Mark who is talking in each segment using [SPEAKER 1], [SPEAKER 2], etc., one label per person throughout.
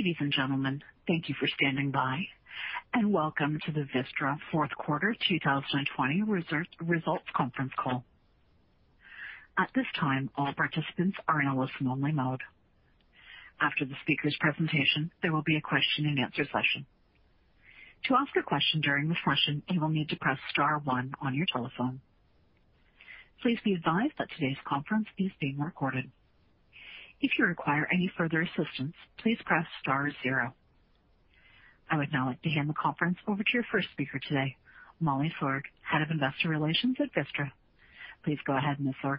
[SPEAKER 1] Ladies and gentlemen, thank you for standing by, and welcome to the Vistra Fourth Quarter 2020 Results Conference Call. At this time, all participants are in a listen-only mode. After the speakers' presentation, there will be a question-and-answer session. To ask a question during the session, you will need to press star one on your telephone. Please be advised that today's conference is being recorded. If you require any further assistance, please press star zero. I would now like to hand the conference over to your first speaker today, Molly Sorg, Head of Investor Relations, Vistra. Please go ahead, Ms. Sorg.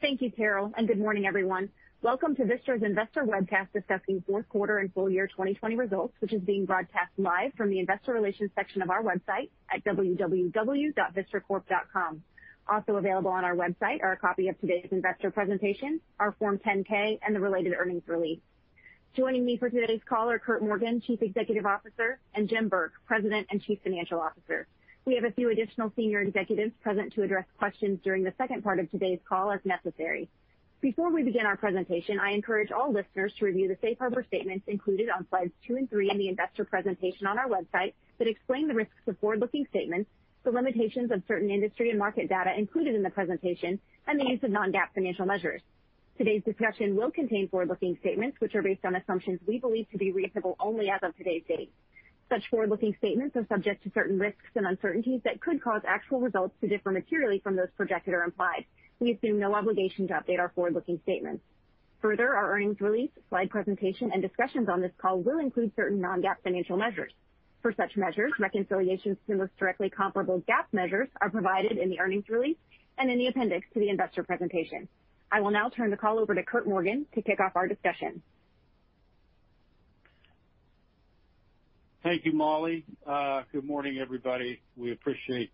[SPEAKER 2] Thank you, Carol. Good morning, everyone. Welcome to Vistra's Investor Webcast discussing fourth quarter and full year 2020 results, which is being broadcast live from the investor relations section of our website at www.vistracorp.com. Also available on our website are a copy of today's investor presentation, our Form 10-K, and the related earnings release. Joining me for today's call are Curt Morgan, Chief Executive Officer, and Jim Burke, President and Chief Financial Officer. We have a few additional senior executives present to address questions during the second part of today's call as necessary. Before we begin our presentation, I encourage all listeners to review the safe harbor statements included on slides two and three in the investor presentation on our website that explain the risks of forward-looking statements, the limitations of certain industry and market data included in the presentation, and the use of Non-GAAP financial measures. Today's discussion will contain forward-looking statements, which are based on assumptions we believe to be reasonable only as of today's date. Such forward-looking statements are subject to certain risks and uncertainties that could cause actual results to differ materially from those projected or implied. We assume no obligation to update our forward-looking statements. Further, our earnings release, slide presentation, and discussions on this call will include certain Non-GAAP financial measures. For such measures, reconciliations to the most directly comparable GAAP measures are provided in the earnings release and in the appendix to the investor presentation. I will now turn the call over to Curt Morgan to kick off our discussion.
[SPEAKER 3] Thank you, Molly. Good morning, everybody. We appreciate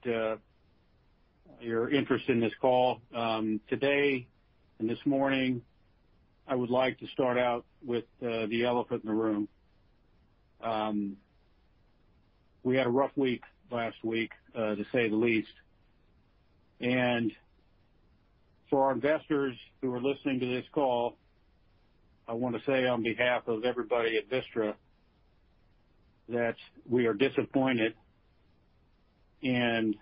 [SPEAKER 3] your interest in this call. Today this morning, I would like to start out with the elephant in the room. We had a rough week last week, to say the least. For our investors who are listening to this call, I want to say on behalf of everybody at Vistra that we are disappointed in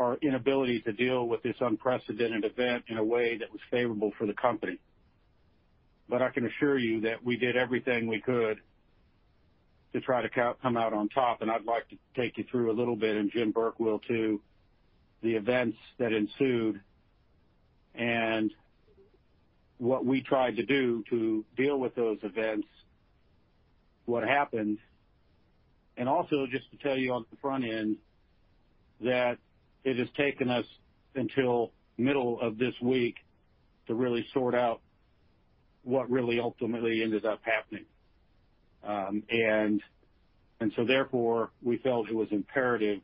[SPEAKER 3] our inability to deal with this unprecedented event in a way that was favorable for the company. I can assure you that we did everything we could to try to come out on top, and I'd like to take you through a little bit, and Jim Burke will too, the events that ensued and what we tried to do to deal with those events, what happened, and also just to tell you on the front end that it has taken us until middle of this week to really sort out what really ultimately ended up happening. Therefore, we felt it was imperative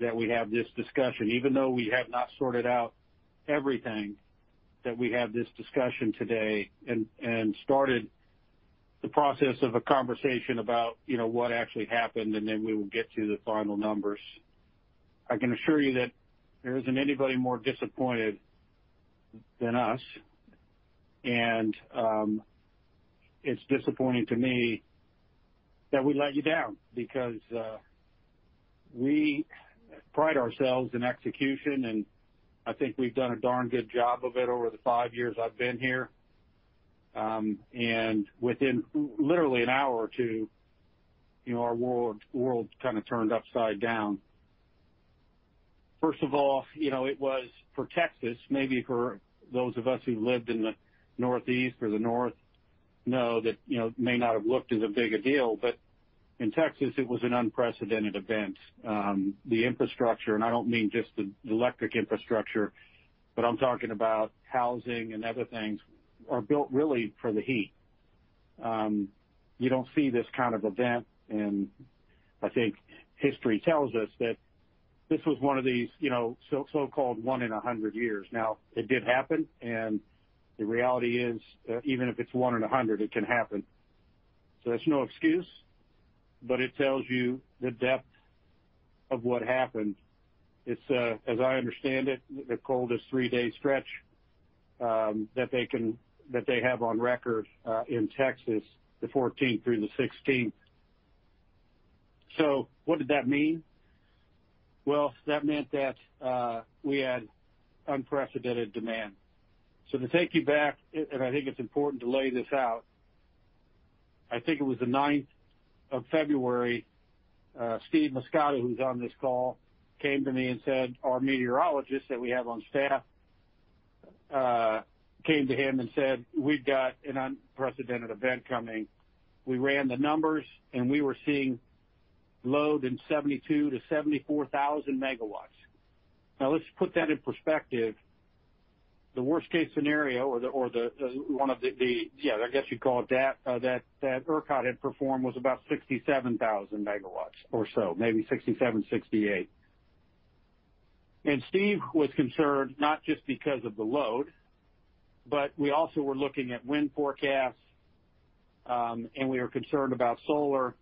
[SPEAKER 3] that we have this discussion. Even though we have not sorted out everything, that we have this discussion today and started the process of a conversation about what actually happened, then we will get to the final numbers. I can assure you that there isn't anybody more disappointed than us, and it's disappointing to me that we let you down because we pride ourselves in execution. I think we've done a darn good job of it over the five years I've been here. Within literally an hour or two, our world kind of turned upside down. First of all, it was for Texas, maybe for those of us who lived in the Northeast or the North know that it may not have looked as a big a deal, but in Texas, it was an unprecedented event. The infrastructure, and I don't mean just the electric infrastructure, but I'm talking about housing and other things, are built really for the heat. You don't see this kind of event, and I think history tells us that this was one of these so-called one in 100 years. It did happen, and the reality is, even if it's one in 100, it can happen. That's no excuse, but it tells you the depth of what happened. It's, as I understand it, the coldest three-day stretch that they have on record in Texas, the 14th through the 16th. What did that mean? Well, that meant that we had unprecedented demand. To take you back, and I think it's important to lay this out. I think it was the February 9th, Steve Muscato, who's on this call, came to me and said our meteorologist that we have on staff came to him and said we've got an unprecedented event coming. We ran the numbers, and we were seeing load in 72,000 MW-74,000 MW. Let's put that in perspective. The worst-case scenario or the one of the, I guess you'd call it that ERCOT had performed was about 67,000 MW or so, maybe 67,000 MW-68,000 MW. Steve was concerned not just because of the load, but we also were looking at wind forecasts, and we were concerned about solar.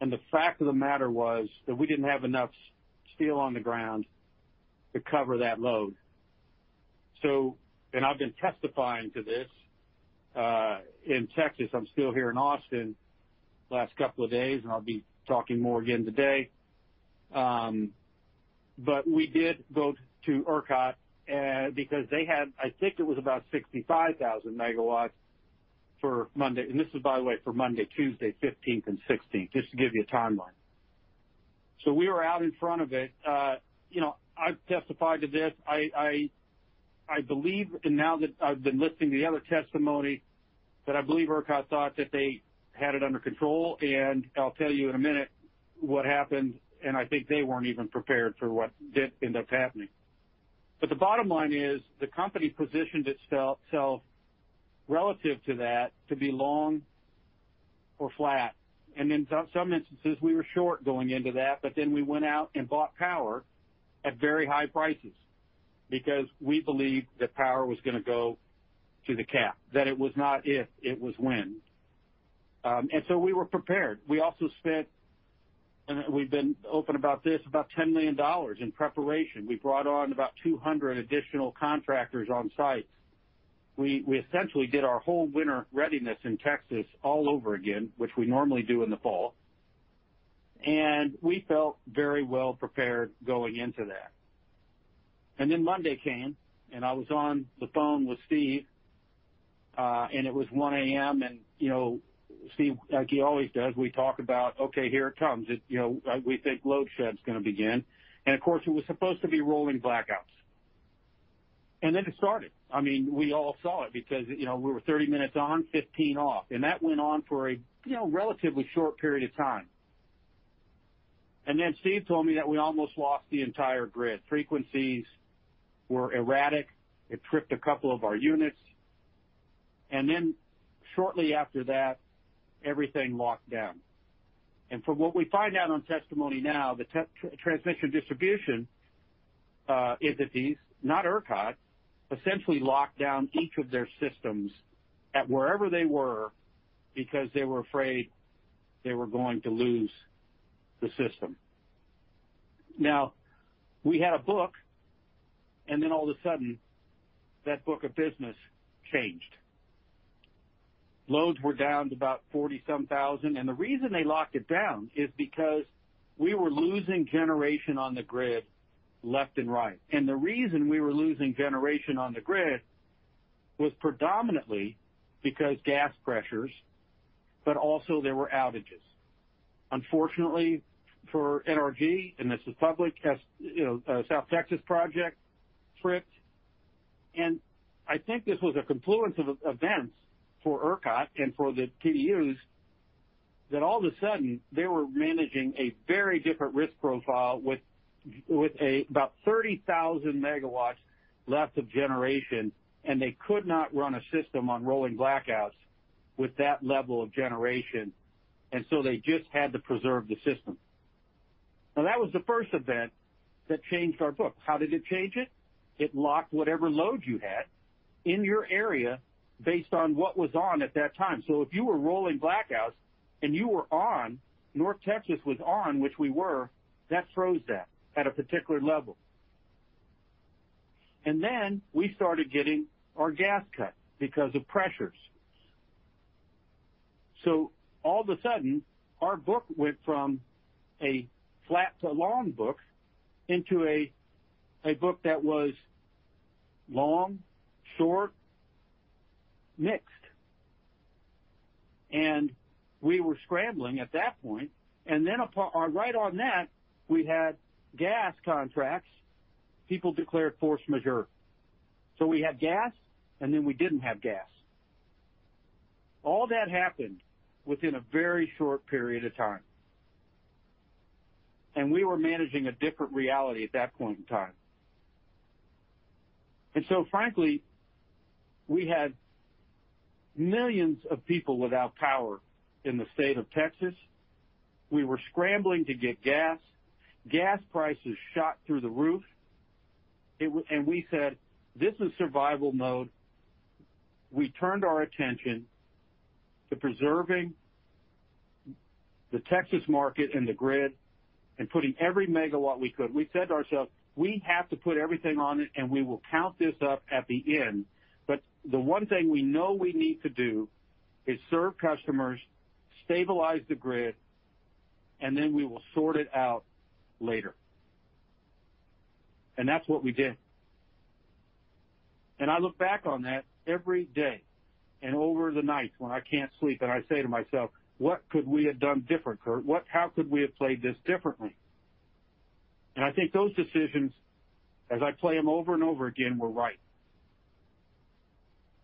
[SPEAKER 3] The fact of the matter was that we didn't have enough steel on the ground to cover that load. I've been testifying to this in Texas. I'm still here in Austin last couple of days, and I'll be talking more again today. We did go to ERCOT because they had, I think it was about 65,000 MW for Monday. This is, by the way, for Monday, Tuesday 15th and 16th, just to give you a timeline. We were out in front of it. I've testified to this. I believe, now that I've been listening to the other testimony, that I believe ERCOT thought that they had it under control. I'll tell you in a minute what happened, and I think they weren't even prepared for what did end up happening. The bottom line is, the company positioned itself relative to that to be long or flat. In some instances, we were short going into that, then we went out and bought power at very high prices because we believed that power was going to go to the cap, that it was not if, it was when. So we were prepared. We also spent, and we've been open about this, about $10 million in preparation. We brought on about 200 additional contractors on site. We essentially did our whole winter readiness in Texas all over again, which we normally do in the fall. We felt very well prepared going into that. Then Monday came, and I was on the phone with Steve. It was 1:00 A.M., and Steve, like he always does, we talk about, "Okay, here it comes. We think load shed's going to begin." Of course, it was supposed to be rolling blackouts. Then it started. We all saw it because we were 30 minutes on, 15 minutes off, and that went on for a relatively short period of time. Then Steve told me that we almost lost the entire grid. Frequencies were erratic. It tripped a couple of our units. Then shortly after that, everything locked down. From what we find out on testimony now, the transmission distribution entities, not ERCOT, essentially locked down each of their systems at wherever they were because they were afraid they were going to lose the system. Now, we had a book, and then all of a sudden, that book of business changed. Loads were down to about MW 40,000 some. The reason they locked it down is because we were losing generation on the grid left and right. The reason we were losing generation on the grid was predominantly because gas pressures, but also there were outages. Unfortunately for NRG, and this is public, South Texas Project tripped. I think this was a confluence of events for ERCOT and for the TDUs that all of a sudden they were managing a very different risk profile with about 30,000 MW left of generation. They could not run a system on rolling blackouts with that level of generation. They just had to preserve the system. That was the first event that changed our book. How did it change it? It locked whatever load you had in your area based on what was on at that time. If you were rolling blackouts and you were on, North Texas was on, which we were, that froze that at a particular level. Then we started getting our gas cut because of pressures. All of a sudden, our book went from a flat to long book into a book that was long, short, mixed. We were scrambling at that point. Then right on that, we had gas contracts. People declared force majeure. We had gas, then we didn't have gas. All that happened within a very short period of time. We were managing a different reality at that point in time. Frankly, we had millions of people without power in the state of Texas. We were scrambling to get gas. Gas prices shot through the roof. We said, "This is survival mode." We turned our attention to preserving the Texas market and the grid and putting every megawatt we could. We said to ourselves, "We have to put everything on it, and we will count this up at the end. The one thing we know we need to do is serve customers, stabilize the grid, and then we will sort it out later." That's what we did. I look back on that every day and over the night when I can't sleep, I say to myself, "What could we have done different, Curt? How could we have played this differently?" I think those decisions, as I play them over and over again, were right.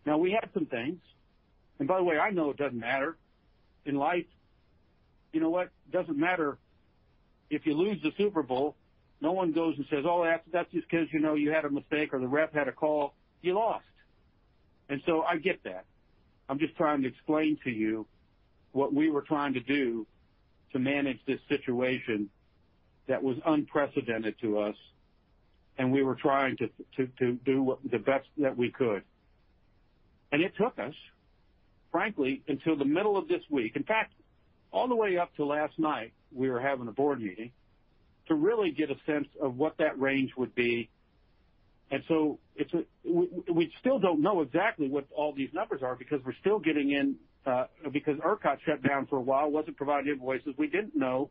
[SPEAKER 3] Now, we had some things. By the way, I know it doesn't matter. In life, you know what? It doesn't matter if you lose the Super Bowl. No one goes and says, "Oh, that's just because you had a mistake," or, "The ref had a call." You lost. I get that. I'm just trying to explain to you what we were trying to do to manage this situation that was unprecedented to us, and we were trying to do the best that we could. It took us, frankly, until the middle of this week, in fact, all the way up to last night, we were having a board meeting, to really get a sense of what that range would be. We still don't know exactly what all these numbers are because we're still getting in Because ERCOT shut down for a while, wasn't providing invoices. We didn't know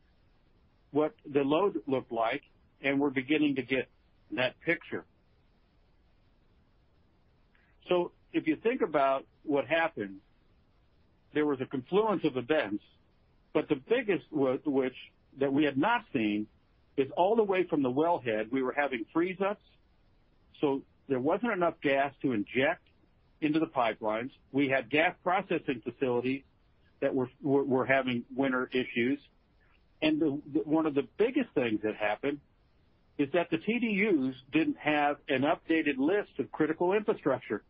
[SPEAKER 3] what the load looked like, and we're beginning to get that picture. If you think about what happened, there was a confluence of events, but the biggest was, which that we had not seen, is all the way from the wellhead, we were having freeze-ups, so there wasn't enough gas to inject into the pipelines. We had gas processing facilities that were having winter issues. One of the biggest things that happened is that the TDUs didn't have an updated list of critical infrastructure.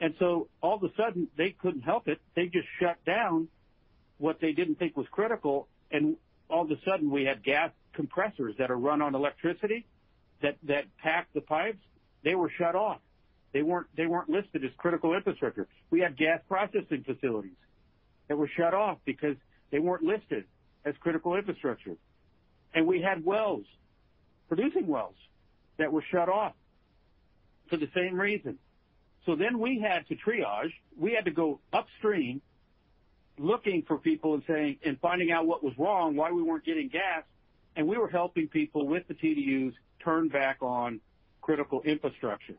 [SPEAKER 3] All of a sudden, they couldn't help it. They just shut down what they didn't think was critical. All of a sudden, we had gas compressors that are run on electricity that pack the pipes. They were shut off. They weren't listed as critical infrastructure. We had gas processing facilities that were shut off because they weren't listed as critical infrastructure. We had wells, producing wells, that were shut off for the same reason. Then we had to triage. We had to go upstream, looking for people and finding out what was wrong, why we weren't getting gas. We were helping people with the TDUs turn back on critical infrastructure.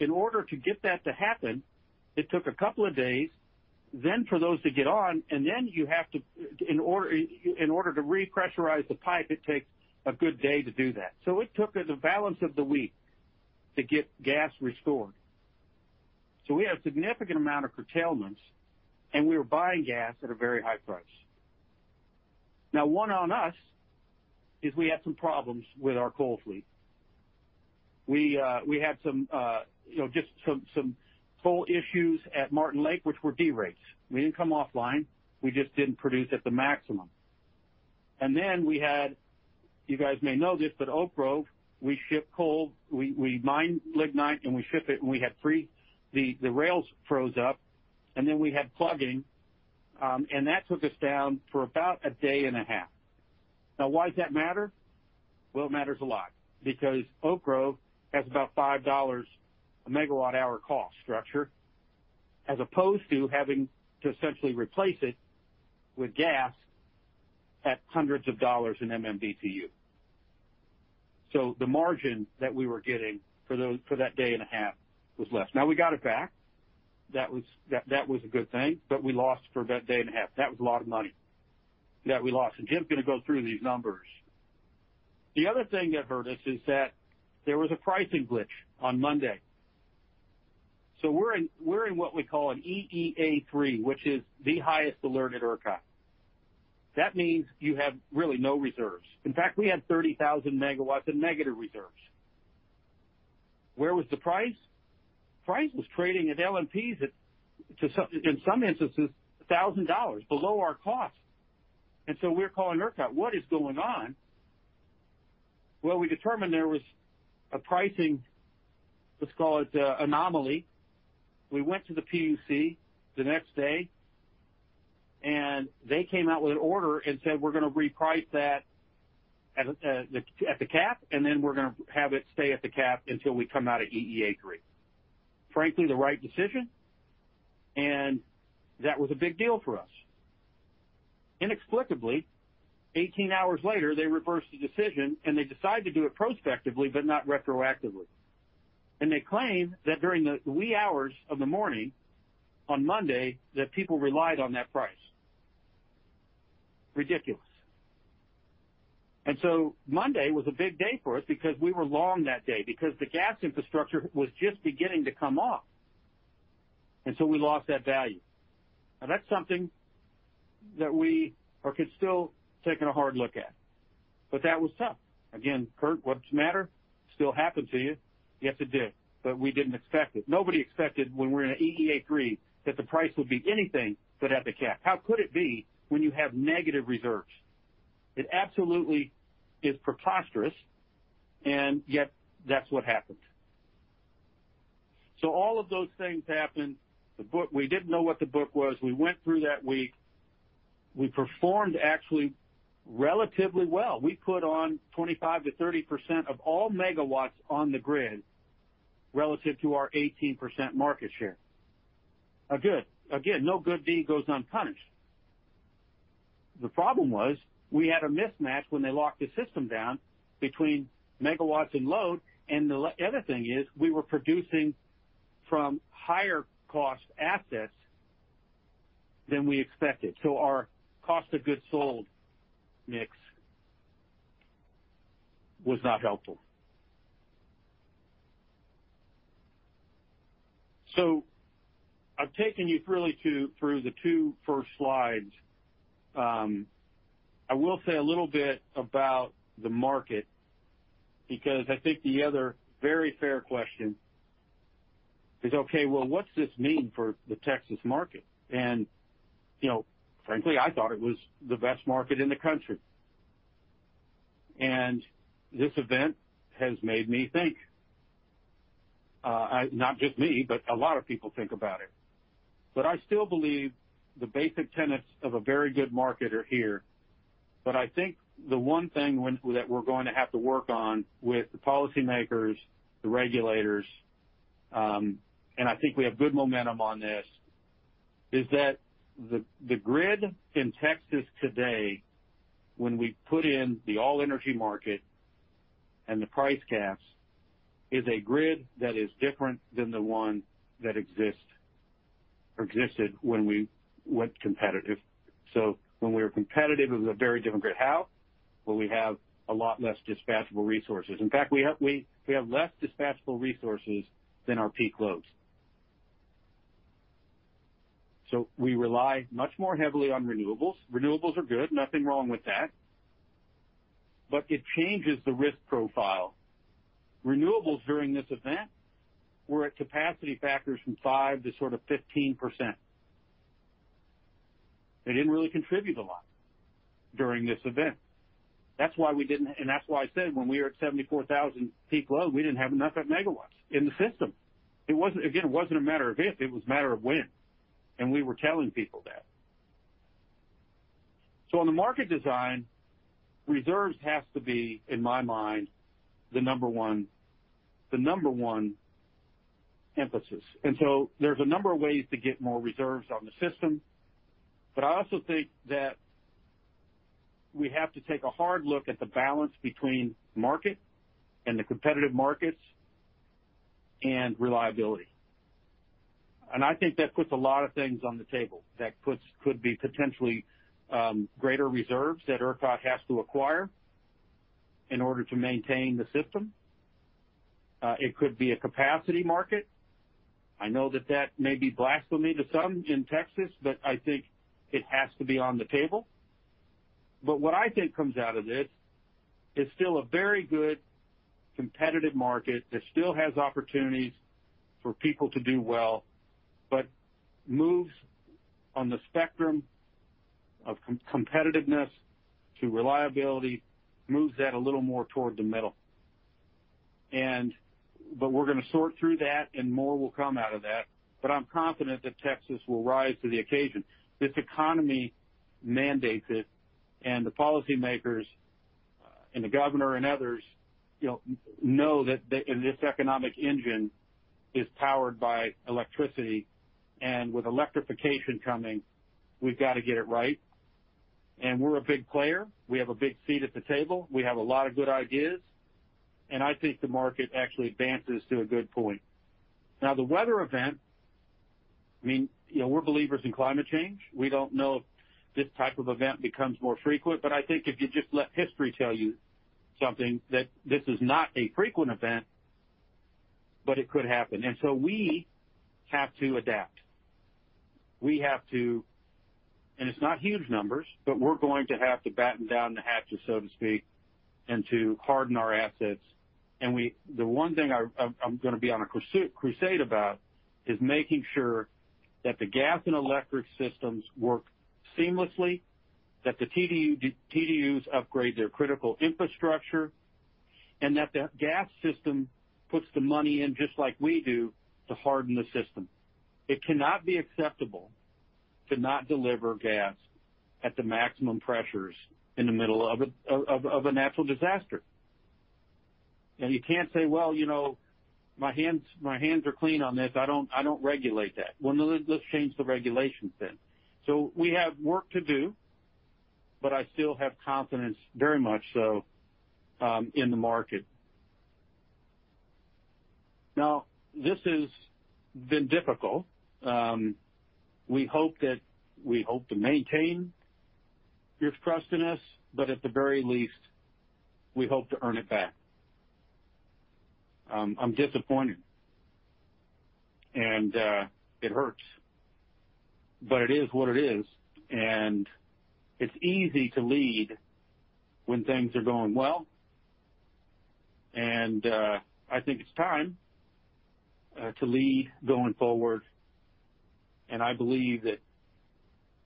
[SPEAKER 3] In order to get that to happen, it took a couple of days. Then for those to get on, and then in order to repressurize the pipe, it takes a good day to do that. It took the balance of the week to get gas restored. We had a significant amount of curtailments, and we were buying gas at a very high price. Now, one on us is we had some problems with our coal fleet. We had just some coal issues at Martin Lake, which were derates. We didn't come offline. We just didn't produce at the maximum. We had, you guys may know this, Oak Grove, we mine lignite, and we ship it, and the rails froze up. We had plugging, and that took us down for about a 1.5 days. Why does that matter? It matters a lot because Oak Grove has about $5 MWh hour cost structure, as opposed to having to essentially replace it with gas at hundreds of dollars in MMBTU. The margin that we were getting for that 1.5 days was less. We got it back. That was a good thing. We lost for that 1.5 days. That was a lot of money that we lost. Jim's going to go through these numbers. The other thing that hurt us is that there was a pricing glitch on Monday. We're in what we call an EEA3, which is the highest alert at ERCOT. That means you have really no reserves. In fact, we had 30,000 MW of negative reserves. Where was the price? Price was trading at LMPs at, in some instances, $1,000 below our cost. We're calling ERCOT. What is going on? We determined there was a pricing, let's call it anomaly. We went to the PUC the next day, and they came out with an order and said, We're going to reprice that at the cap, and then we're going to have it stay at the cap until we come out of EEA3. Frankly, the right decision, and that was a big deal for us. Inexplicably, 18 hours later, they reversed the decision. They decided to do it prospectively but not retroactively. They claim that during the wee hours of the morning on Monday, that people relied on that price. Ridiculous. Monday was a big day for us because we were long that day, because the gas infrastructure was just beginning to come off, and so we lost that value. Now, that's something that we are still taking a hard look at. That was tough. Again, Curt, what's the matter? Still happened to you. Yes, it did. We didn't expect it. Nobody expected when we're in an EEA3 that the price would be anything but at the cap. How could it be when you have negative reserves? It absolutely is preposterous, and yet that's what happened. All of those things happened. We didn't know what the book was. We went through that week. We performed actually relatively well. We put on 25%-30% of all megawatts on the grid relative to our 18% market share. Again, no good deed goes unpunished. The problem was we had a mismatch when they locked the system down between megawatts and load. The other thing is we were producing from higher-cost assets than we expected. Our cost of goods sold mix was not helpful. I've taken you really through the two first slides. I will say a little bit about the market because I think the other very fair question is, okay, well, what's this mean for the Texas market? Frankly, I thought it was the best market in the country. This event has made me think. Not just me, but a lot of people think about it. I still believe the basic tenets of a very good market are here. I think the one thing that we're going to have to work on with the policymakers, the regulators, and I think we have good momentum on this, is that the grid in Texas today, when we put in the all-energy market and the price caps, is a grid that is different than the one that exists or existed when we went competitive. When we were competitive, it was a very different grid. How? We have a lot less dispatchable resources. In fact, we have less dispatchable resources than our peak loads. We rely much more heavily on renewables. Renewables are good. Nothing wrong with that. It changes the risk profile. Renewables during this event were at capacity factors from 5%-15%. They didn't really contribute a lot during this event. That's why I said when we were at 74,000 MW peak load, we didn't have enough megawatts in the system. Again, it wasn't a matter of if, it was a matter of when, and we were telling people that. On the market design, reserves has to be, in my mind, the number one emphasis. There's a number of ways to get more reserves on the system. I also think that we have to take a hard look at the balance between market and the competitive markets and reliability. I think that puts a lot of things on the table. That could be potentially greater reserves that ERCOT has to acquire in order to maintain the system. It could be a capacity market. I know that that may be blasphemy to some in Texas, I think it has to be on the table. What I think comes out of this is still a very good competitive market that still has opportunities for people to do well, but moves on the spectrum of competitiveness to reliability, moves that a little more toward the middle. We're going to sort through that, and more will come out of that. I'm confident that Texas will rise to the occasion. This economy mandates it, and the policymakers and the governor and others know that this economic engine is powered by electricity. With electrification coming, we've got to get it right. We're a big player. We have a big seat at the table. We have a lot of good ideas. I think the market actually advances to a good point. Now, the weather event. We're believers in climate change. We don't know if this type of event becomes more frequent, but I think if you just let history tell you something, that this is not a frequent event, but it could happen. So we have to adapt. We have to. It's not huge numbers, but we're going to have to batten down the hatches, so to speak, and to harden our assets. The one thing I'm going to be on a crusade about is making sure that the gas and electric systems work seamlessly, that the TDUs upgrade their critical infrastructure, and that the gas system puts the money in, just like we do, to harden the system. It cannot be acceptable to not deliver gas at the maximum pressures in the middle of a natural disaster. You can't say, "Well, my hands are clean on this. I don't regulate that." Well, let's change the regulations then. We have work to do, but I still have confidence, very much so, in the market. Now, this has been difficult. We hope to maintain your trust in us, but at the very least, we hope to earn it back. I'm disappointed, and it hurts, but it is what it is. It's easy to lead when things are going well. I think it's time to lead going forward. I believe that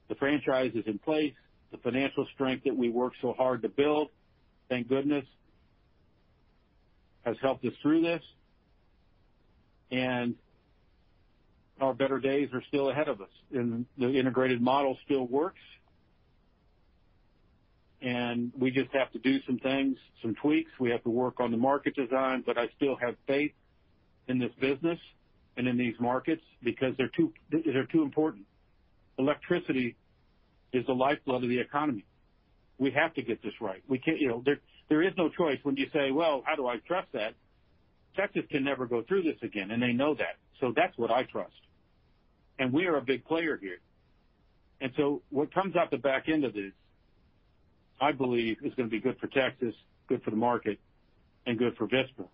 [SPEAKER 3] the franchise is in place. The financial strength that we worked so hard to build, thank goodness, has helped us through this. Our better days are still ahead of us, and the integrated model still works. We just have to do some things, some tweaks. We have to work on the market design. I still have faith in this business and in these markets because they're too important. Electricity is the lifeblood of the economy. We have to get this right. There is no choice when you say, "Well, how do I trust that?" Texas can never go through this again, and they know that. That's what I trust. We are a big player here. What comes out the back end of this, I believe, is going to be good for Texas, good for the market, and good for Vistra.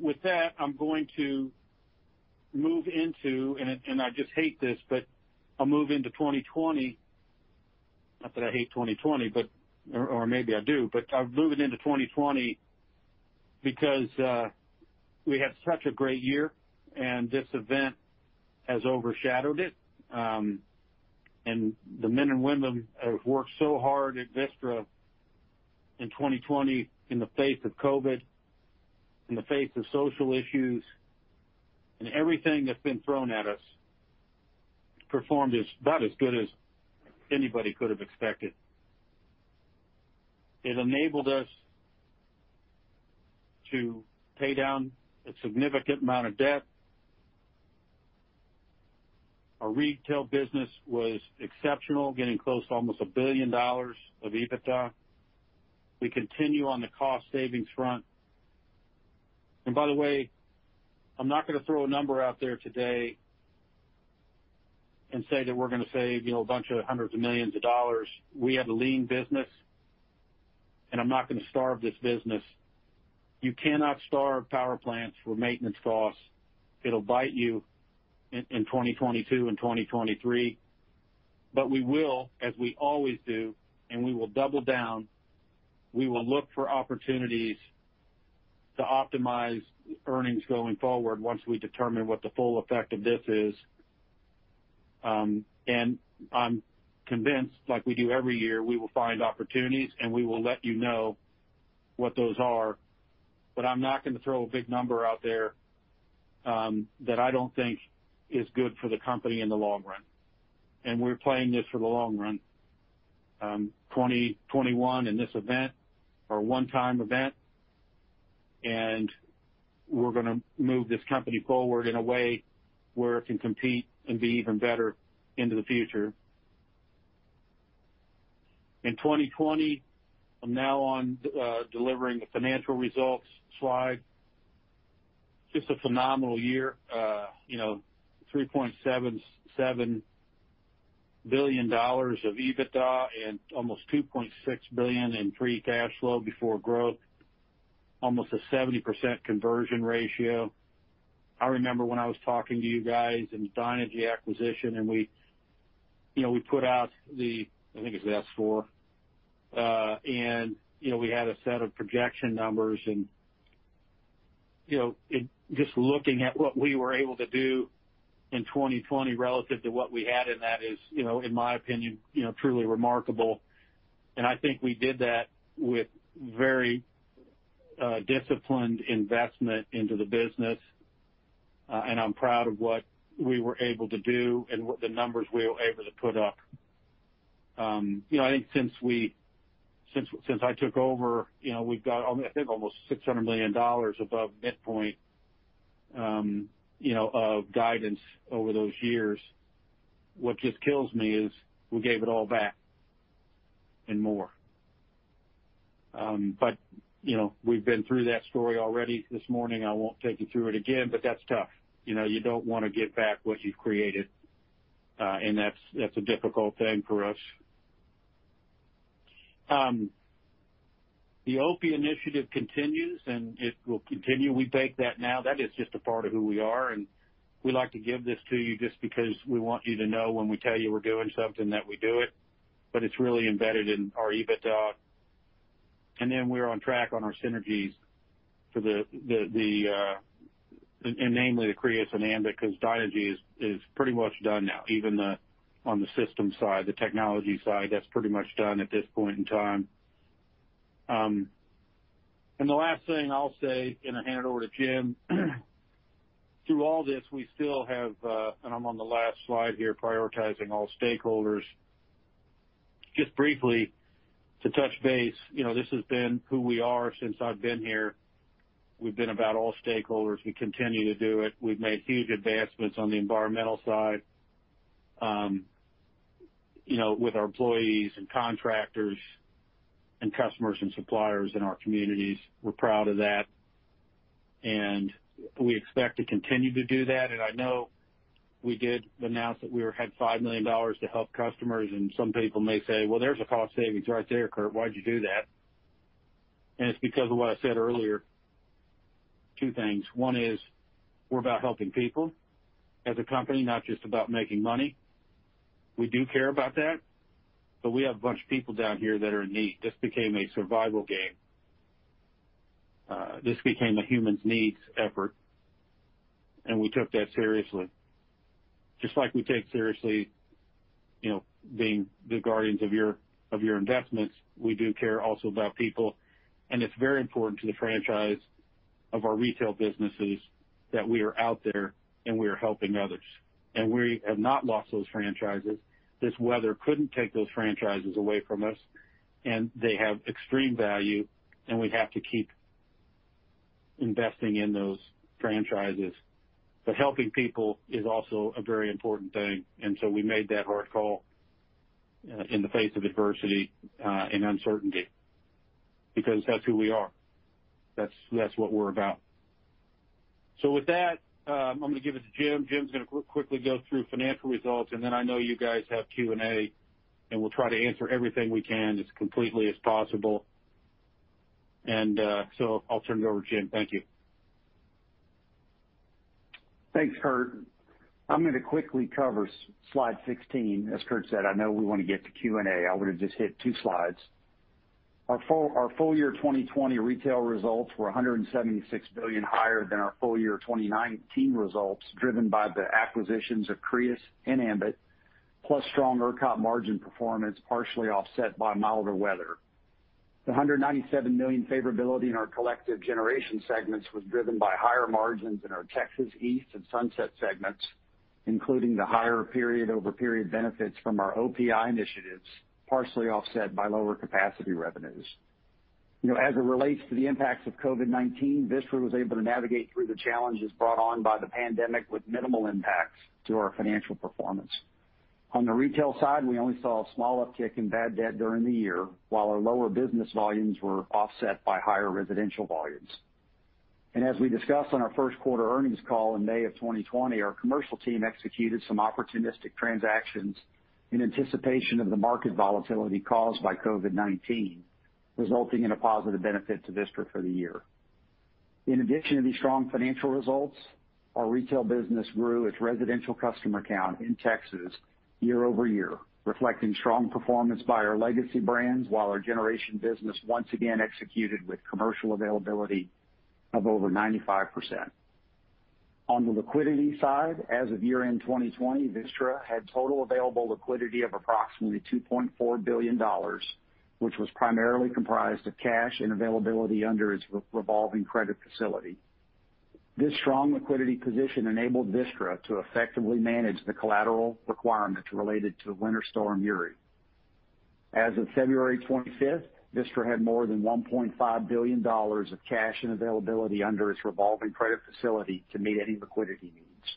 [SPEAKER 3] With that, I'm going to move into, and I just hate this, but I'll move into 2020. Not that I hate 2020, or maybe I do, but moving into 2020. We had such a great year, and this event has overshadowed it. The men and women have worked so hard at Vistra in 2020 in the face of COVID, in the face of social issues, and everything that's been thrown at us, performed about as good as anybody could have expected. It enabled us to pay down a significant amount of debt. Our retail business was exceptional, getting close to almost $1 billion of EBITDA. We continue on the cost savings front. By the way, I'm not going to throw a number out there today and say that we're going to save a bunch of hundreds of millions of dollars. We have a lean business, and I'm not going to starve this business. You cannot starve power plants for maintenance costs. It'll bite you in 2022 and 2023. We will, as we always do, and we will double down. We will look for opportunities to optimize earnings going forward once we determine what the full effect of this is. I'm convinced, like we do every year, we will find opportunities, and we will let you know what those are. I'm not going to throw a big number out there, that I don't think is good for the company in the long run. We're playing this for the long run. 2021 and this event are a one-time event, and we're going to move this company forward in a way where it can compete and be even better into the future. In 2020, I'm now on delivering the financial results slide. Just a phenomenal year. $3.7 billion of EBITDA and almost $2.6 billion in free cash flow before growth, almost a 70% conversion ratio. I remember when I was talking to you guys in the Dynegy acquisition, and we put out the, I think it was S-4. We had a set of projection numbers and just looking at what we were able to do in 2020 relative to what we had in that is, in my opinion, truly remarkable. I think we did that with very disciplined investment into the business. I'm proud of what we were able to do and the numbers we were able to put up. I think since I took over, we've got almost $600 million above midpoint of guidance over those years. What just kills me is we gave it all back and more. We've been through that story already this morning. I won't take you through it again, but that's tough. You don't want to give back what you've created. That's a difficult thing for us. The OPI Initiative continues, and it will continue. We bake that now. That is just a part of who we are, and we like to give this to you just because we want you to know when we tell you we're doing something that we do it, but it's really embedded in our EBITDA. We're on track on our synergies for the Crius and Ambit, because Dynegy is pretty much done now, even on the system side, the technology side, that's pretty much done at this point in time. The last thing I'll say, and I hand it over to Jim. Through all this, we still have, and I'm on the last slide here, prioritizing all stakeholders. Just briefly to touch base, this has been who we are since I've been here. We've been about all stakeholders. We continue to do it. We've made huge advancements on the environmental side. With our employees and contractors and customers and suppliers in our communities. We're proud of that. We expect to continue to do that. I know we did announce that we had $5 million to help customers. Some people may say, "Well, there's a cost savings right there, Curt. Why'd you do that?" It's because of what I said earlier. Two things. One is, we're about helping people as a company, not just about making money. We do care about that. We have a bunch of people down here that are in need. This became a survival game. This became a human's needs effort. We took that seriously. Just like we take seriously being the guardians of your investments. We do care also about people, and it's very important to the franchise of our retail businesses that we are out there and we are helping others. We have not lost those franchises. This weather couldn't take those franchises away from us, and they have extreme value, and we have to keep investing in those franchises. Helping people is also a very important thing. We made that hard call in the face of adversity and uncertainty, because that's who we are. That's what we're about. With that, I'm going to give it to Jim. Jim's going to quickly go through financial results, and then I know you guys have Q&A, and we'll try to answer everything we can as completely as possible. I'll turn it over to Jim. Thank you.
[SPEAKER 4] Thanks, Curt. I'm going to quickly cover Slide 16. As Curt said, I know we want to get to Q&A. I want to just hit two slides. Our full year 2020 retail results were $176 million, higher than our full year 2019 results, driven by the acquisitions of Crius and Ambit, plus strong ERCOT margin performance, partially offset by milder weather. The $197 million favorability in our collective generation segments was driven by higher margins in our Texas East and Sunset segments, including the higher period-over-period benefits from our OPI initiatives, partially offset by lower capacity revenues. As it relates to the impacts of COVID-19, Vistra was able to navigate through the challenges brought on by the pandemic with minimal impacts to our financial performance. On the retail side, we only saw a small uptick in bad debt during the year, while our lower business volumes were offset by higher residential volumes. As we discussed on our first quarter earnings call in May of 2020, our commercial team executed some opportunistic transactions in anticipation of the market volatility caused by COVID-19, resulting in a positive benefit to Vistra for the year. In addition to these strong financial results, our retail business grew its residential customer count in Texas year-over-year, reflecting strong performance by our legacy brands, while our generation business once again executed with commercial availability of over 95%. On the liquidity side, as of year-end 2020, Vistra had total available liquidity of approximately $2.4 billion, which was primarily comprised of cash and availability under its revolving credit facility. This strong liquidity position enabled Vistra to effectively manage the collateral requirements related to Winter Storm Uri. As of February 25th, Vistra had more than $1.5 billion of cash and availability under its revolving credit facility to meet any liquidity needs.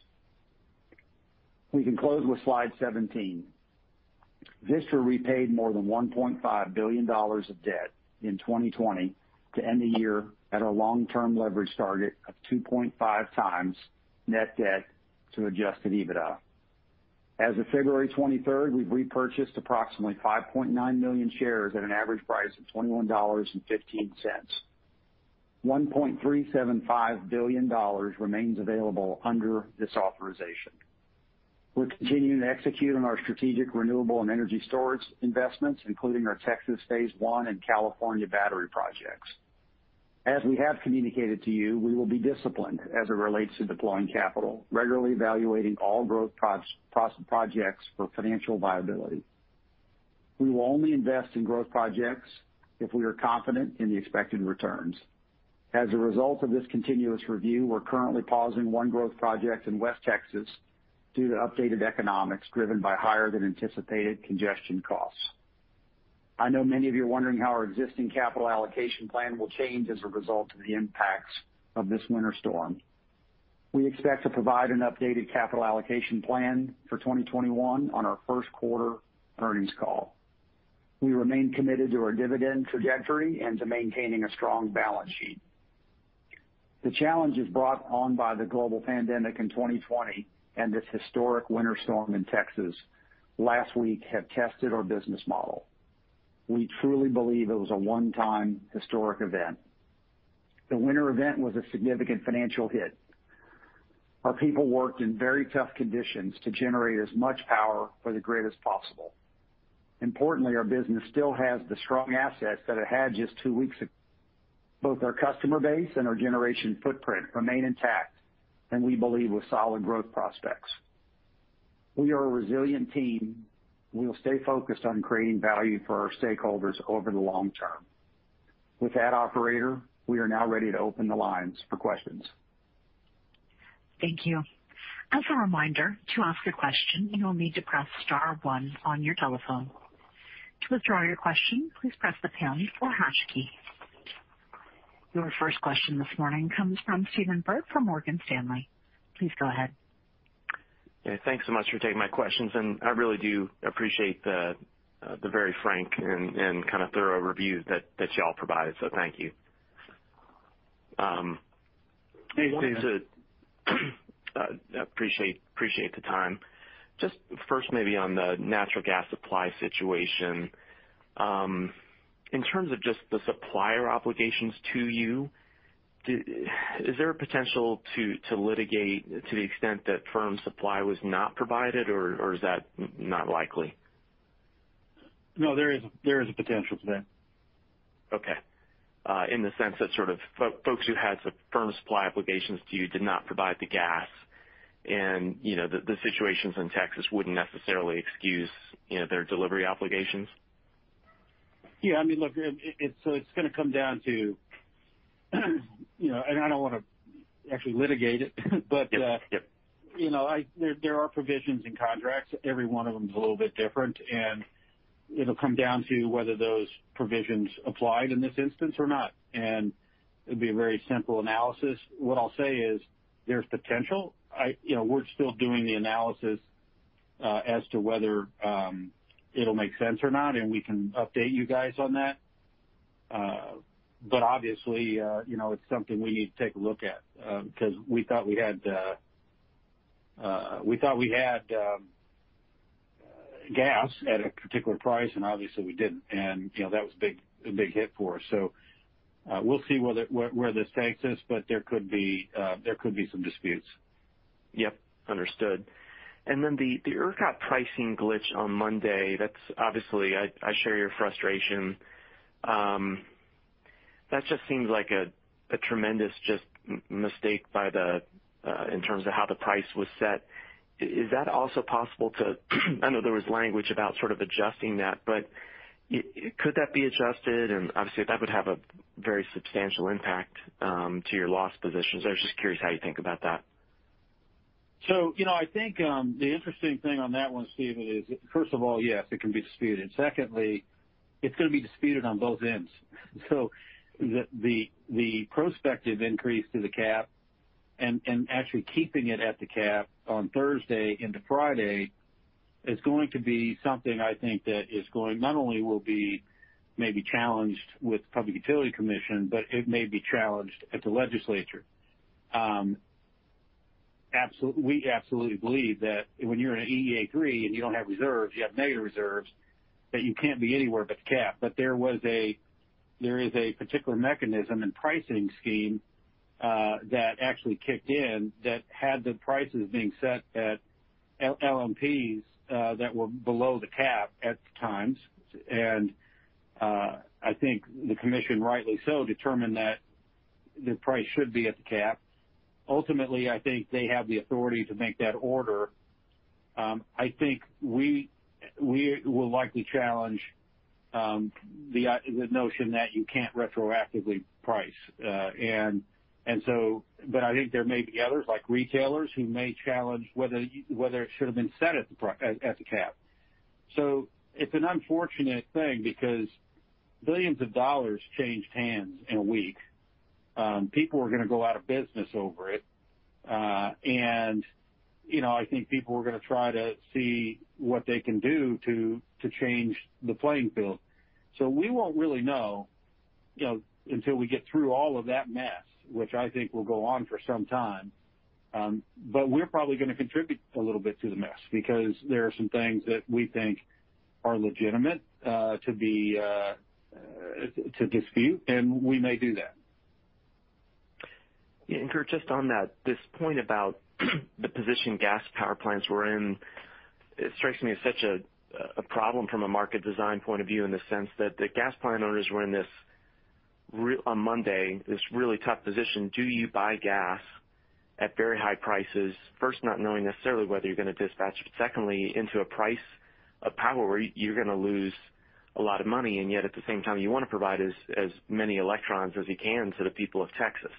[SPEAKER 4] We can close with Slide 17. Vistra repaid more than $1.5 billion of debt in 2020 to end the year at a long-term leverage target of 2.5x net debt to adjusted EBITDA. As of February 23rd, we've repurchased approximately 5.9 million shares at an average price of $21.15. $1.375 billion remains available under this authorization. We're continuing to execute on our strategic renewable and energy storage investments, including our Texas Phase One and California battery projects. As we have communicated to you, we will be disciplined as it relates to deploying capital, regularly evaluating all growth projects for financial viability. We will only invest in growth projects if we are confident in the expected returns. As a result of this continuous review, we are currently pausing one growth project in West Texas due to updated economics driven by higher than anticipated congestion costs. I know many of you are wondering how our existing capital allocation plan will change as a result of the impacts of this winter storm. We expect to provide an updated capital allocation plan for 2021 on our first quarter earnings call. We remain committed to our dividend trajectory and to maintaining a strong balance sheet. The challenges brought on by the global pandemic in 2020 and this historic winter storm in Texas last week have tested our business model. We truly believe it was a one-time historic event. The winter event was a significant financial hit. Our people worked in very tough conditions to generate as much power for the grid as possible. Importantly, our business still has the strong assets that it had just two weeks ago. Both our customer base and our generation footprint remain intact, and we believe with solid growth prospects. We are a resilient team. We will stay focused on creating value for our stakeholders over the long term. With that, operator, we are now ready to open the lines for questions.
[SPEAKER 1] Thank you. As a reminder, to ask a question, you will need to press star one on your telephone. To withdraw your question, please press the pound or hash key. Your first question this morning comes from Stephen Byrd from Morgan Stanley. Please go ahead.
[SPEAKER 5] Thanks so much for taking my questions, and I really do appreciate the very frank and kind of thorough review that you all provided, so thank you.
[SPEAKER 4] Yes.
[SPEAKER 5] Appreciate the time. Just first maybe on the natural gas supply situation. In terms of just the supplier obligations to you, is there a potential to litigate to the extent that firm supply was not provided, or is that not likely?
[SPEAKER 4] No, there is a potential for that.
[SPEAKER 5] Okay. In the sense that sort of folks who had some firm supply obligations to you did not provide the gas and the situations in Texas wouldn't necessarily excuse their delivery obligations?
[SPEAKER 4] Yeah. Look, it's going to come down to, and I don't want to actually litigate it.
[SPEAKER 5] Yep
[SPEAKER 4] there are provisions in contracts. Every one of them is a little bit different, and it'll come down to whether those provisions applied in this instance or not, and it'd be a very simple analysis. What I'll say is there's potential. We're still doing the analysis as to whether it'll make sense or not, and we can update you guys on that. Obviously, it's something we need to take a look at, because we thought we had
[SPEAKER 3] gas at a particular price, and obviously we didn't. That was a big hit for us. We'll see where this takes us, but there could be some disputes.
[SPEAKER 5] Yep, understood. The ERCOT pricing glitch on Monday, that's obviously, I share your frustration. That just seems like a tremendous mistake in terms of how the price was set. Is that also possible to I know there was language about sort of adjusting that, but could that be adjusted? Obviously, that would have a very substantial impact to your loss positions. I was just curious how you think about that.
[SPEAKER 3] I think the interesting thing on that one, Stephen, is first of all, yes, it can be disputed. Secondly, it's going to be disputed on both ends. The prospective increase to the cap and actually keeping it at the cap on Thursday into Friday is going to be something, I think, that not only will be maybe challenged with Public Utility Commission, but it may be challenged at the legislature. We absolutely believe that when you're in an EEA3 and you don't have reserves, you have negative reserves, that you can't be anywhere but the cap. There is a particular mechanism and pricing scheme that actually kicked in that had the prices being set at LMPs that were below the cap at times. I think the commission, rightly so, determined that the price should be at the cap. Ultimately, I think they have the authority to make that order. I think we will likely challenge the notion that you can't retroactively price. I think there may be others, like retailers, who may challenge whether it should've been set at the cap. It's an unfortunate thing because billions of dollars changed hands in a week. People are going to go out of business over it. I think people are going to try to see what they can do to change the playing field. We won't really know until we get through all of that mess, which I think will go on for some time. We're probably going to contribute a little bit to the mess because there are some things that we think are legitimate to dispute, and we may do that.
[SPEAKER 5] Yeah. Curt, just on that, this point about the position gas power plants were in, it strikes me as such a problem from a market design point of view, in the sense that the gas plant owners were in this, on Monday, this really tough position. Do you buy gas at very high prices? First, not knowing necessarily whether you're going to dispatch, but secondly, into a price of power where you're going to lose a lot of money, and yet at the same time, you want to provide as many electrons as you can to the people of Texas.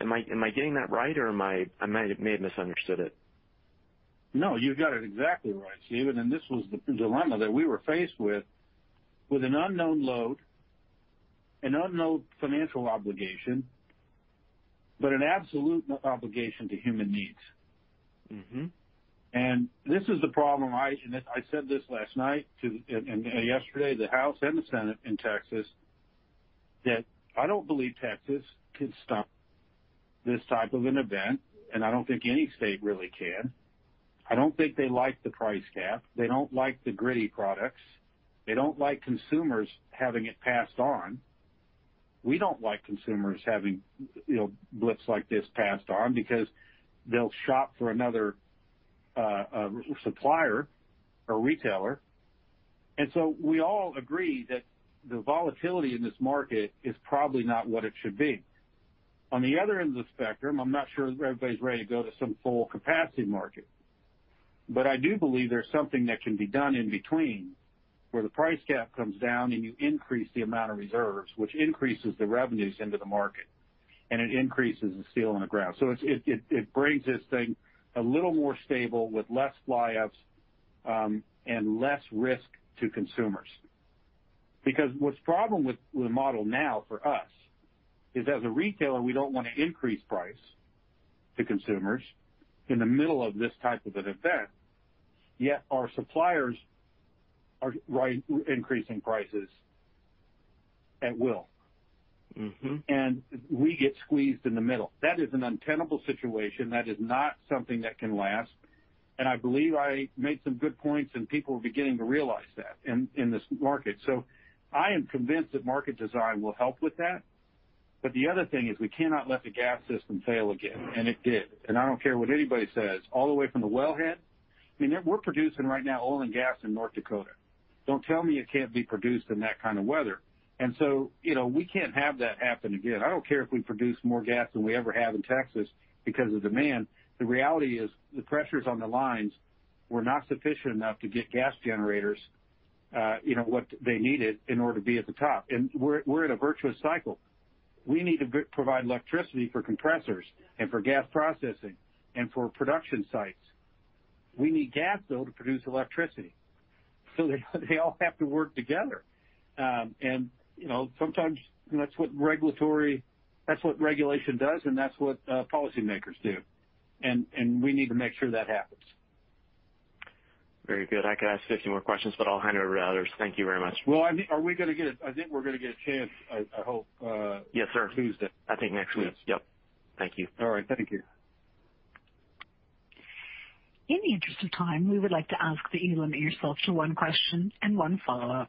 [SPEAKER 5] Am I getting that right or I may have misunderstood it?
[SPEAKER 3] No, you got it exactly right, Stephen. This was the dilemma that we were faced with an unknown load, an unknown financial obligation, but an absolute obligation to human needs. This is the problem, I said this last night too, and yesterday, the House and the Senate in Texas, that I don't believe Texas could stop this type of an event, and I don't think any state really can. I don't think they like the price cap. They don't like the Griddy products. They don't like consumers having it passed on. We don't like consumers having blips like this passed on because they'll shop for another supplier or retailer. We all agree that the volatility in this market is probably not what it should be. On the other end of the spectrum, I'm not sure everybody's ready to go to some full capacity market. I do believe there's something that can be done in between, where the price cap comes down and you increase the amount of reserves, which increases the revenues into the market, and it increases the steel on the ground. It brings this thing a little more stable with less flyups, and less risk to consumers. What's the problem with the model now for us is, as a retailer, we don't want to increase price to consumers in the middle of this type of an event, yet our suppliers are increasing prices at will. We get squeezed in the middle. That is an untenable situation. That is not something that can last, and I believe I made some good points, and people are beginning to realize that in this market. I am convinced that market design will help with that. The other thing is we cannot let the gas system fail again. It did. I don't care what anybody says, all the way from the wellhead. We're producing right now oil and gas in North Dakota. Don't tell me it can't be produced in that kind of weather. We can't have that happen again. I don't care if we produce more gas than we ever have in Texas because of demand. The reality is the pressures on the lines were not sufficient enough to get gas generators what they needed in order to be at the top. We're in a virtuous cycle. We need to provide electricity for compressors and for gas processing and for production sites. We need gas, though, to produce electricity. They all have to work together. Sometimes that's what regulation does, and that's what policymakers do. We need to make sure that happens.
[SPEAKER 5] Very good. I could ask 50 more questions, but I'll hand it over to others. Thank you very much.
[SPEAKER 3] Well, I think we're going to get a chance, I hope.
[SPEAKER 5] Yes, sir.
[SPEAKER 3] Tuesday.
[SPEAKER 5] I think next week. Yep.
[SPEAKER 1] Thank you. All right. Thank you. In the interest of time, we would like to ask that you limit yourself to one question and one follow-up.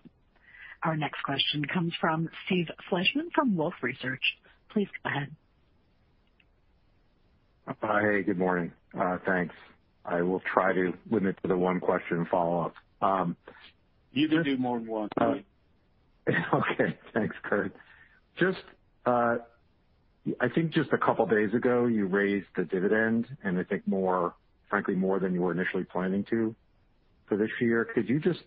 [SPEAKER 1] Our next question comes from Steve Fleishman from Wolfe Research. Please go ahead.
[SPEAKER 6] Hi. Good morning. Thanks. I will try to limit to the one question follow-up.
[SPEAKER 3] You can do more than one, Steve.
[SPEAKER 6] Okay. Thanks, Curt. I think just a couple of days ago, you raised the dividend and I think, frankly, more than you were initially planning to for this year. Could you just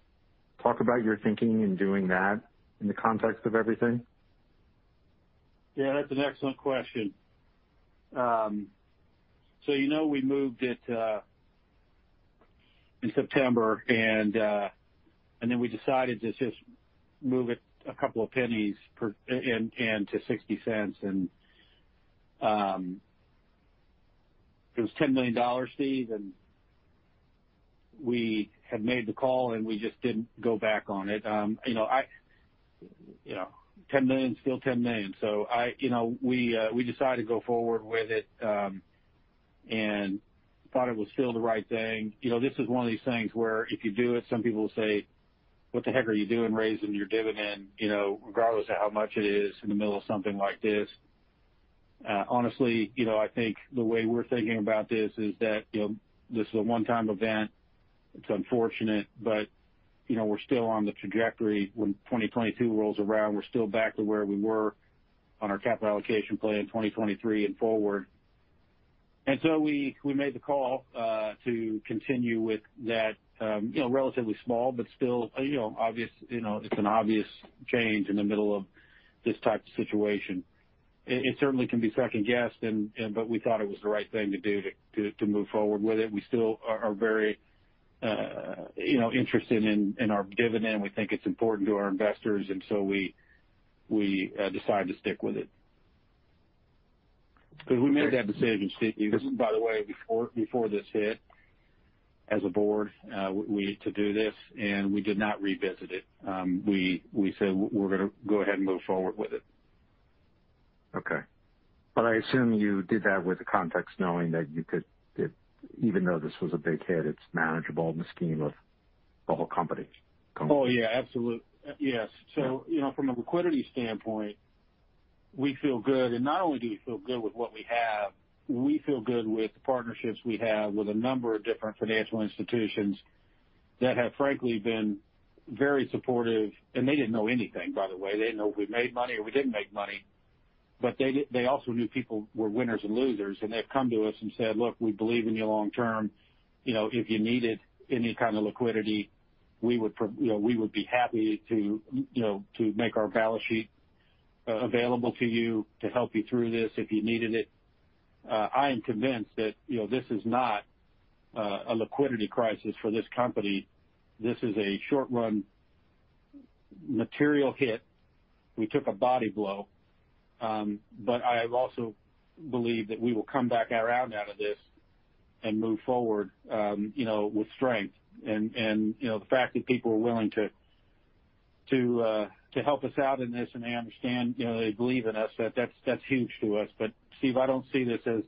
[SPEAKER 6] talk about your thinking in doing that in the context of everything?
[SPEAKER 3] Yeah, that's an excellent question. You know, we moved it in September, and then we decided to just move it a couple of pennies and to $0.60, and it was $10 million, Steve, and we had made the call, and we just didn't go back on it. $10 million is still $10 million. We decided to go forward with it, and thought it was still the right thing. This is one of these things where if you do it, some people will say, "What the heck are you doing raising your dividend?" Regardless of how much it is in the middle of something like this. Honestly, I think the way we're thinking about this is that this is a one-time event. It's unfortunate, but we're still on the trajectory. When 2022 rolls around, we're still back to where we were on our capital allocation plan 2023 and forward. We made the call to continue with that. Relatively small, but still it's an obvious change in the middle of this type of situation. It certainly can be second-guessed, but we thought it was the right thing to do to move forward with it. We still are very interested in our dividend. We think it's important to our investors, we decided to stick with it. Because we made that decision, Steve, by the way, before this hit as a board, we needed to do this, and we did not revisit it. We said we're going to go ahead and move forward with it.
[SPEAKER 6] Okay. I assume you did that with the context, knowing that even though this was a big hit, it's manageable in the scheme of the whole company.
[SPEAKER 3] Oh, yeah. Absolutely. Yes. From a liquidity standpoint, we feel good. Not only do we feel good with what we have, we feel good with the partnerships we have with a number of different financial institutions that have frankly been very supportive. They didn't know anything, by the way. They didn't know if we made money or we didn't make money, but they also knew people were winners and losers, and they've come to us and said, "Look, we believe in you long-term. If you needed any kind of liquidity, we would be happy to make our balance sheet available to you to help you through this if you needed it." I am convinced that this is not a liquidity crisis for this company. This is a short-run material hit. We took a body blow. I also believe that we will come back around out of this and move forward with strength. The fact that people are willing to help us out in this, and they understand, they believe in us, that's huge to us. Steve, I don't see this as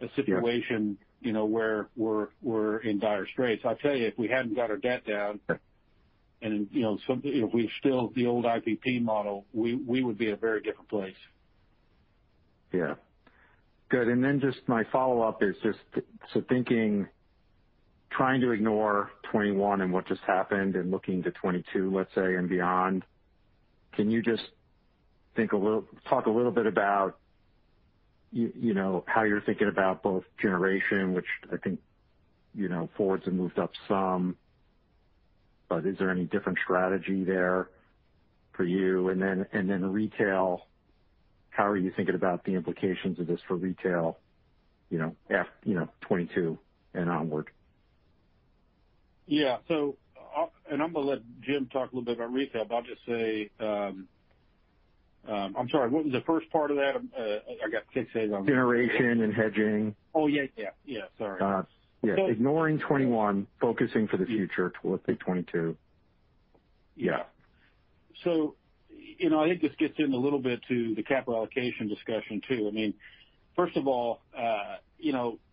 [SPEAKER 3] a situation where we're in dire straits. I'll tell you, if we hadn't got our debt down, and if we still the old IPP model, we would be in a very different place.
[SPEAKER 6] Yeah. Good. Just my follow-up is just, so thinking, trying to ignore 2021 and what just happened, and looking to 2022, let's say, and beyond, can you just talk a little bit about how you're thinking about both generation, which I think forwards have moved up some, but is there any different strategy there for you? Retail, how are you thinking about the implications of this for retail, 2022 and onward?
[SPEAKER 3] Yeah. I'm going to let Jim talk a little bit about retail, but I'll just say, I'm sorry, what was the first part of that? I got fixated on.
[SPEAKER 6] Generation and hedging.
[SPEAKER 3] Oh, yeah. Sorry.
[SPEAKER 6] Yeah. Ignoring 2021, focusing for the future towards say 2022.
[SPEAKER 3] Yeah. I think this gets in a little bit to the capital allocation discussion, too. First of all,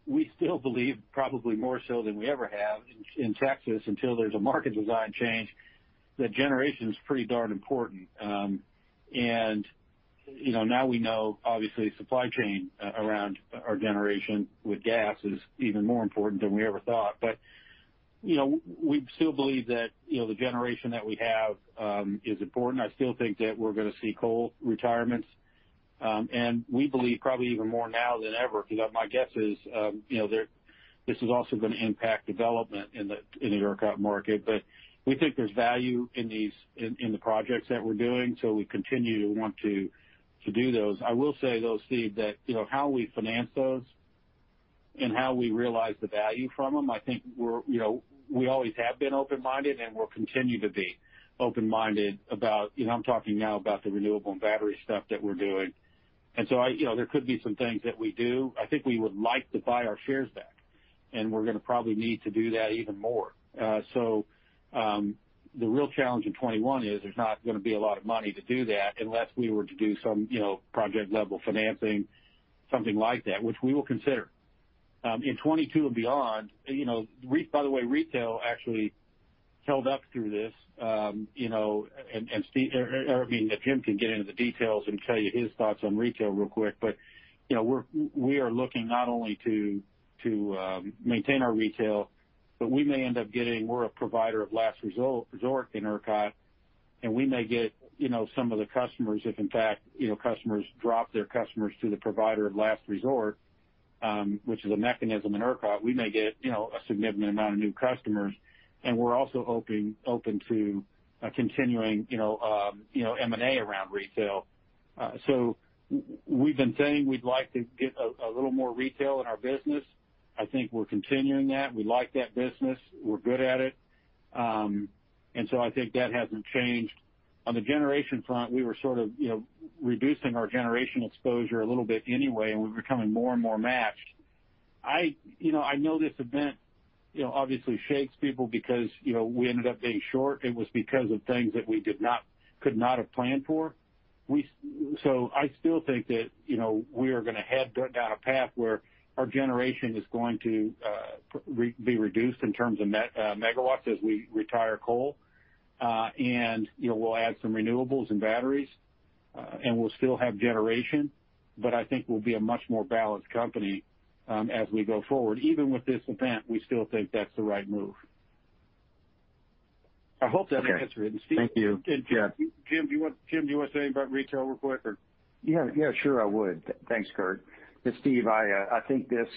[SPEAKER 3] we still believe probably more so than we ever have in Texas, until there's a market design change, that generation's pretty darn important. Now we know, obviously, supply chain around our generation with gas is even more important than we ever thought. We still believe that the generation that we have is important. I still think that we're going to see coal retirements. We believe probably even more now than ever, because my guess is this is also going to impact development in the ERCOT market. We think there's value in the projects that we're doing, we continue to want to do those. I will say, though, Steve, that how we finance those and how we realize the value from them, I think we always have been open-minded and will continue to be open-minded. I'm talking now about the renewable and battery stuff that we're doing. There could be some things that we do. I think we would like to buy our shares back. We're going to probably need to do that even more. The real challenge in 2021 is there's not going to be a lot of money to do that unless we were to do some project-level financing, something like that, which we will consider. In 2022 and beyond. By the way, retail actually held up through this. I mean, if Jim can get into the details and tell you his thoughts on retail real quick. We are looking not only to maintain our retail, but we may end up. We're a provider of last resort in ERCOT, and we may get some of the customers if, in fact, customers drop their customers to the provider of last resort, which is a mechanism in ERCOT. We may get a significant amount of new customers. We're also open to continuing M&A around retail. We've been saying we'd like to get a little more retail in our business. I think we're continuing that. We like that business. We're good at it. I think that hasn't changed. On the generation front, we were sort of reducing our generational exposure a little bit anyway, and we were becoming more and more matched. I know this event obviously shakes people because we ended up being short. It was because of things that we could not have planned for. I still think that we are going to head down a path where our generation is going to be reduced in terms of megawatts as we retire coal. We'll add some renewables and batteries, and we'll still have generation. I think we'll be a much more balanced company, as we go forward. Even with this event, we still think that's the right move. I hope that answered it.
[SPEAKER 6] Okay. Thank you. Yeah.
[SPEAKER 3] Jim, do you want to say anything about retail real quick or?
[SPEAKER 4] Yeah. Sure I would. Thanks, Curt. Steve, I think this,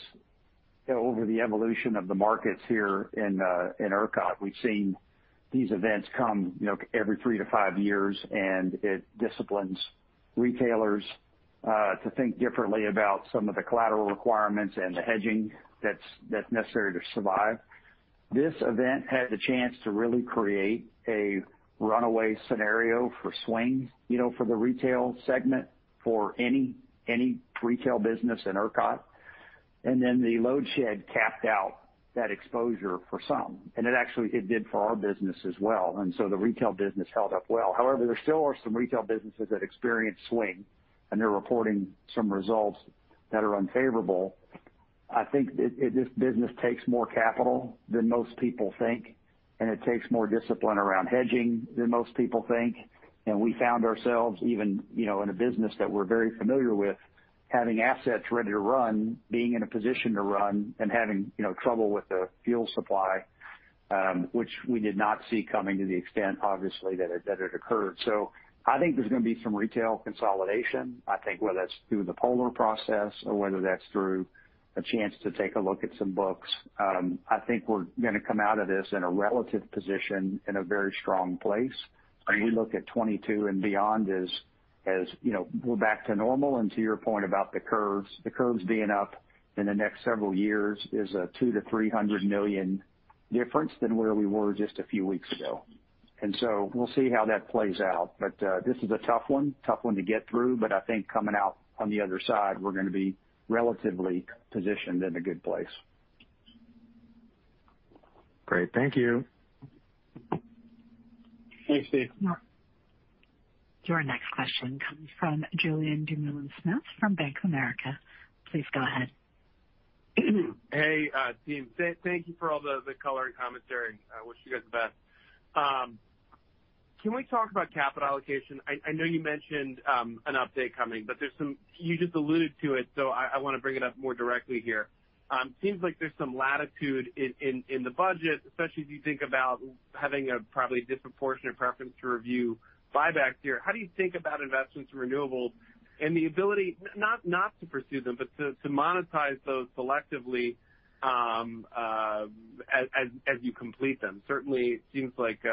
[SPEAKER 4] over the evolution of the markets here in ERCOT, we've seen these events come every three to five years. It disciplines retailers to think differently about some of the collateral requirements and the hedging that's necessary to survive. This event had the chance to really create a runaway scenario for swing for the retail segment, for any retail business in ERCOT. The load shed capped out that exposure for some. It actually did for our business as well. The retail business held up well. However, there still are some retail businesses that experience swing, and they're reporting some results that are unfavorable. I think this business takes more capital than most people think, and it takes more discipline around hedging than most people think. We found ourselves even in a business that we're very familiar with, having assets ready to run, being in a position to run and having trouble with the fuel supply, which we did not see coming to the extent, obviously, that it occurred. I think there's going to be some retail consolidation. I think whether that's through the POLR process or whether that's through a chance to take a look at some books. I think we're going to come out of this in a relative position in a very strong place. When we look at 2022 and beyond as we're back to normal and to your point about the curves, the curves being up in the next several years is a $200 million-$300 million difference than where we were just a few weeks ago. We'll see how that plays out. This is a tough one to get through, but I think coming out on the other side, we're going to be relatively positioned in a good place.
[SPEAKER 6] Great. Thank you.
[SPEAKER 3] Thanks, Steve.
[SPEAKER 1] Your next question comes from Julien Dumoulin-Smith from Bank of America. Please go ahead.
[SPEAKER 7] Hey, team. Thank you for all the color and commentary. I wish you guys the best. Can we talk about capital allocation? I know you mentioned an update coming, but you just alluded to it, so I want to bring it up more directly here. Seems like there's some latitude in the budget, especially if you think about having a probably disproportionate preference to review buyback here. How do you think about investments in renewables and the ability not to pursue them, but to monetize those selectively as you complete them? Certainly seems like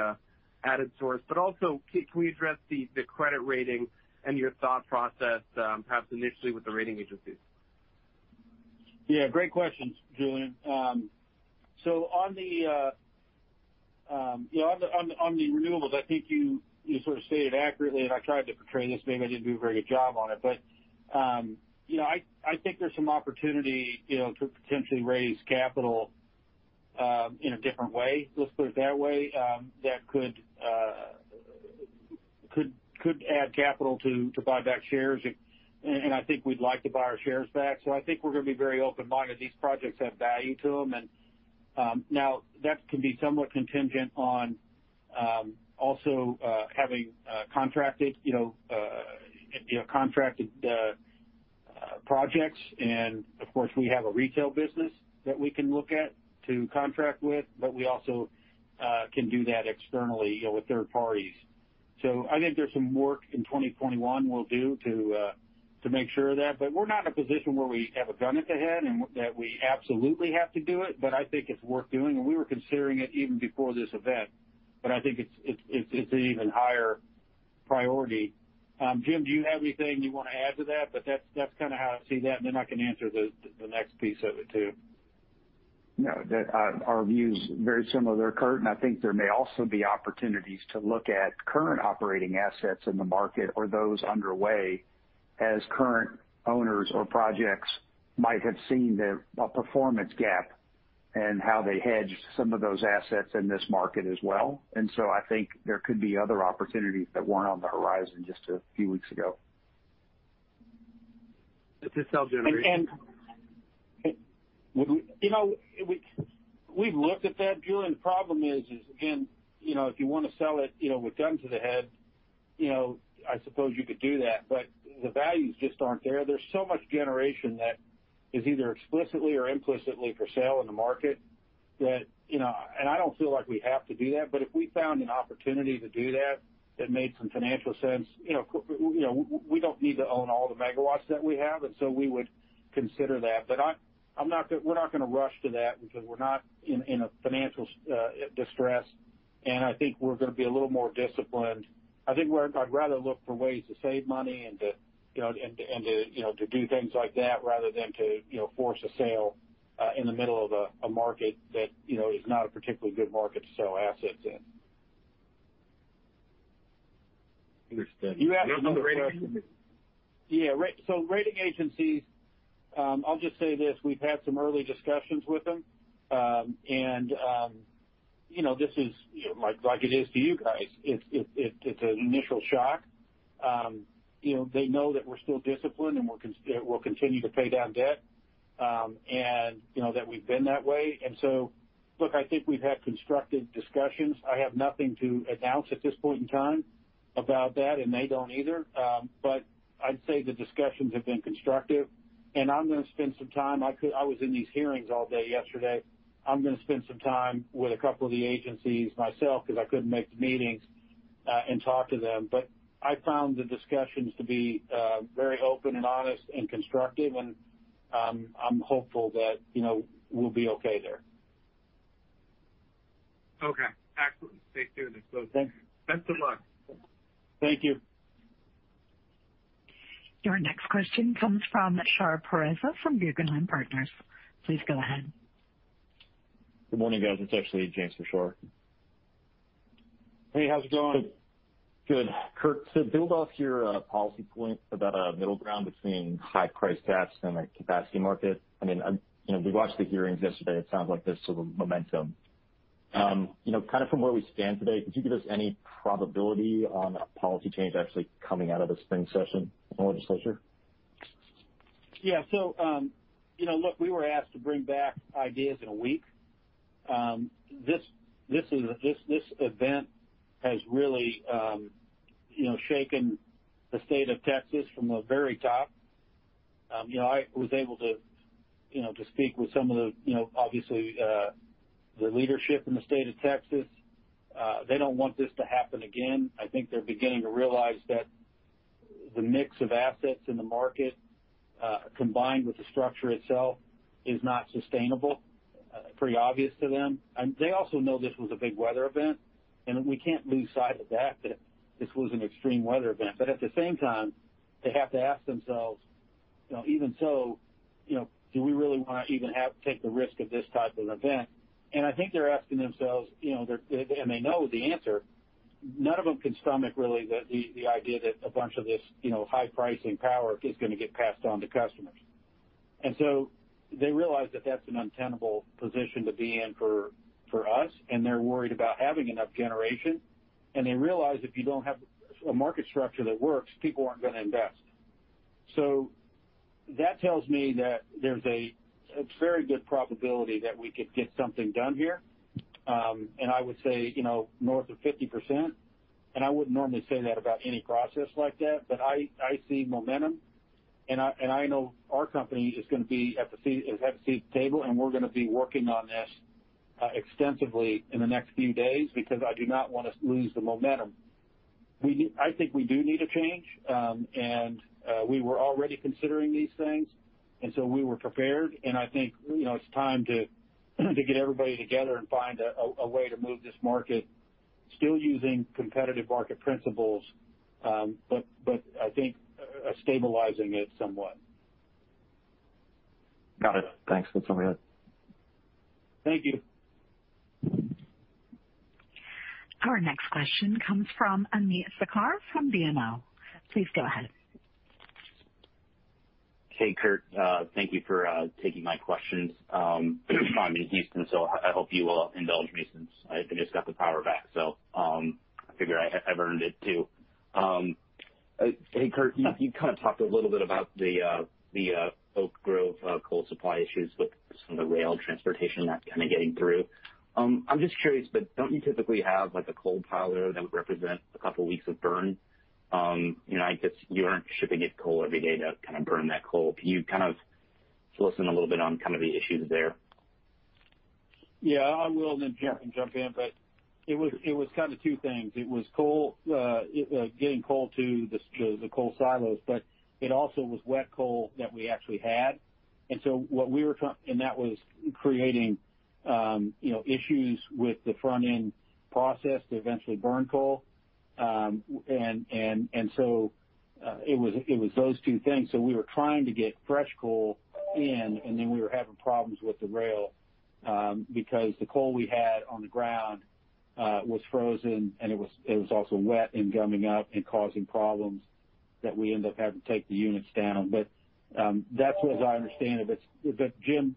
[SPEAKER 7] added source. Also, can we address the credit rating and your thought process, perhaps initially with the rating agencies?
[SPEAKER 3] Yeah, great questions, Julien. On the renewables, I think you sort of stated accurately, and I tried to portray this, maybe I didn't do a very good job on it. I think there's some opportunity to potentially raise capital in a different way. Let's put it that way. That could add capital to buy back shares. I think we'd like to buy our shares back. I think we're going to be very open-minded. These projects have value to them. Now, that can be somewhat contingent on also having contracted projects. Of course, we have a retail business that we can look at to contract with, we also can do that externally with third parties. I think there's some work in 2021 we'll do to make sure of that. We're not in a position where we have a gun at the head and that we absolutely have to do it, but I think it's worth doing. We were considering it even before this event, but I think it's an even higher priority. Jim, do you have anything you want to add to that? That's kind of how I see that, and then I can answer the next piece of it, too.
[SPEAKER 4] No. Our view is very similar to Curt, and I think there may also be opportunities to look at current operating assets in the market or those underway As current owners or projects might have seen a performance gap and how they hedged some of those assets in this market as well. I think there could be other opportunities that weren't on the horizon just a few weeks ago.
[SPEAKER 7] It's a sell generation.
[SPEAKER 3] We've looked at that, Julien. The problem is again, if you want to sell it with guns to the head, I suppose you could do that, but the values just aren't there. There's so much generation that is either explicitly or implicitly for sale in the market and I don't feel like we have to do that, but if we found an opportunity to do that made some financial sense. We don't need to own all the megawatts that we have, and so we would consider that. We're not going to rush to that because we're not in a financial distress, and I think we're going to be a little more disciplined. I think I'd rather look for ways to save money and to do things like that rather than to force a sale in the middle of a market that is not a particularly good market to sell assets in.
[SPEAKER 7] Understood.
[SPEAKER 3] You have another question? Rating agencies, I'll just say this, we've had some early discussions with them. This is like it is to you guys. It's an initial shock. They know that we're still disciplined and we'll continue to pay down debt. That we've been that way. Look, I think we've had constructive discussions. I have nothing to announce at this point in time about that, and they don't either. I'd say the discussions have been constructive, and I'm going to spend some time. I was in these hearings all day yesterday. I'm going to spend some time with a couple of the agencies myself because I couldn't make the meetings, and talk to them. I found the discussions to be very open and honest and constructive, and I'm hopeful that we'll be okay there.
[SPEAKER 7] Okay. Excellent. Stay tuned.
[SPEAKER 3] Thanks.
[SPEAKER 7] Best of luck.
[SPEAKER 3] Thank you.
[SPEAKER 1] Your next question comes from Shahriar Pourreza from Guggenheim Securities. Please go ahead.
[SPEAKER 8] Good morning, guys. It's actually James Rashor.
[SPEAKER 3] Hey, how's it going?
[SPEAKER 8] Good. Curt, to build off your policy point about a middle ground between high price caps and a capacity market. We watched the hearings yesterday. It sounds like there's sort of momentum. Kind of from where we stand today, could you give us any probability on a policy change actually coming out of the spring session of the legislature?
[SPEAKER 3] Yeah. Look, we were asked to bring back ideas in a week. This event has really shaken the state of Texas from the very top. I was able to speak with some of the, obviously, the leadership in the state of Texas. They don't want this to happen again. I think they're beginning to realize that the mix of assets in the market, combined with the structure itself, is not sustainable. Pretty obvious to them. They also know this was a big weather event, and we can't lose sight of that this was an extreme weather event. At the same time, they have to ask themselves, even so, do we really want to even have to take the risk of this type of an event? I think they're asking themselves, and they know the answer. None of them can stomach, really, the idea that a bunch of this high pricing power is going to get passed on to customers. They realize that that's an untenable position to be in for us, and they're worried about having enough generation. They realize if you don't have a market structure that works, people aren't going to invest. That tells me that there's a very good probability that we could get something done here. I would say, north of 50%, and I wouldn't normally say that about any process like that. I see momentum, and I know our company is going to have a seat at the table, and we're going to be working on this extensively in the next few days because I do not want to lose the momentum. I think we do need a change. We were already considering these things, and so we were prepared. I think it's time to get everybody together and find a way to move this market, still using competitive market principles, but I think stabilizing it somewhat.
[SPEAKER 8] Got it. Thanks. That's all I had.
[SPEAKER 3] Thank you.
[SPEAKER 1] Our next question comes from Ameet Thakkar from BMO Capital Markets. Please go ahead.
[SPEAKER 9] Hey, Curt. Thank you for taking my questions. I'm in Houston, I hope you will indulge me since I've just got the power back. I figure I've earned it too. Hey, Curt, you kind of talked a little bit about the Oak Grove coal supply issues with some of the rail transportation not kind of getting through. I'm just curious, don't you typically have a coal pile there that would represent a couple weeks of burn? I guess you aren't shipping in coal every day to kind of burn that coal. Can you kind of fill us in a little bit on kind of the issues there?
[SPEAKER 3] Yeah, I will, and then Jeff can jump in. It was kind of two things. It was getting coal to the coal silos, but it also was wet coal that we actually had. That was creating issues with the front-end process to eventually burn coal. It was those two things. We were trying to get fresh coal in. Then we were having problems with the rail, because the coal we had on the ground was frozen, and it was also wet and gumming up and causing problems that we end up having to take the units down. That's as I understand it. Jim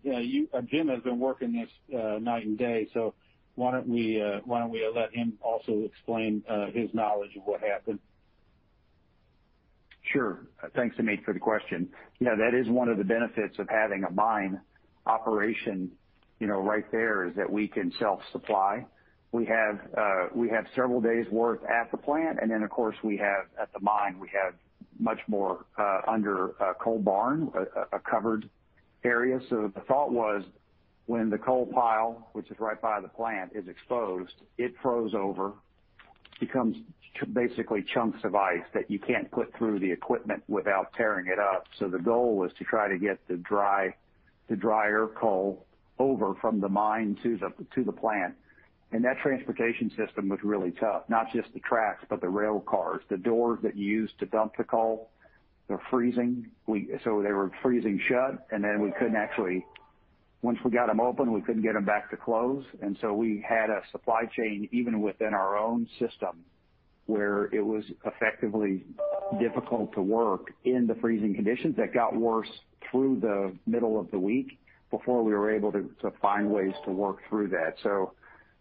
[SPEAKER 3] has been working this night and day. Why don't we let him also explain his knowledge of what happened?
[SPEAKER 4] Sure. Thanks, Ameet, for the question. That is one of the benefits of having a mine operation right there is that we can self-supply. We have several days' worth at the plant, and then of course, we have at the mine, we have much more under a coal barn, a covered area. The thought was, when the coal pile, which is right by the plant, is exposed, it froze over, becomes basically chunks of ice that you can't put through the equipment without tearing it up. The goal was to try to get the dryer coal over from the mine to the plant. That transportation system was really tough. Not just the tracks, but the rail cars. The doors that you use to dump the coal, they're freezing. They were freezing shut, and then once we got them open, we couldn't get them back to close. We had a supply chain even within our own system, where it was effectively difficult to work in the freezing conditions that got worse through the middle of the week before we were able to find ways to work through that.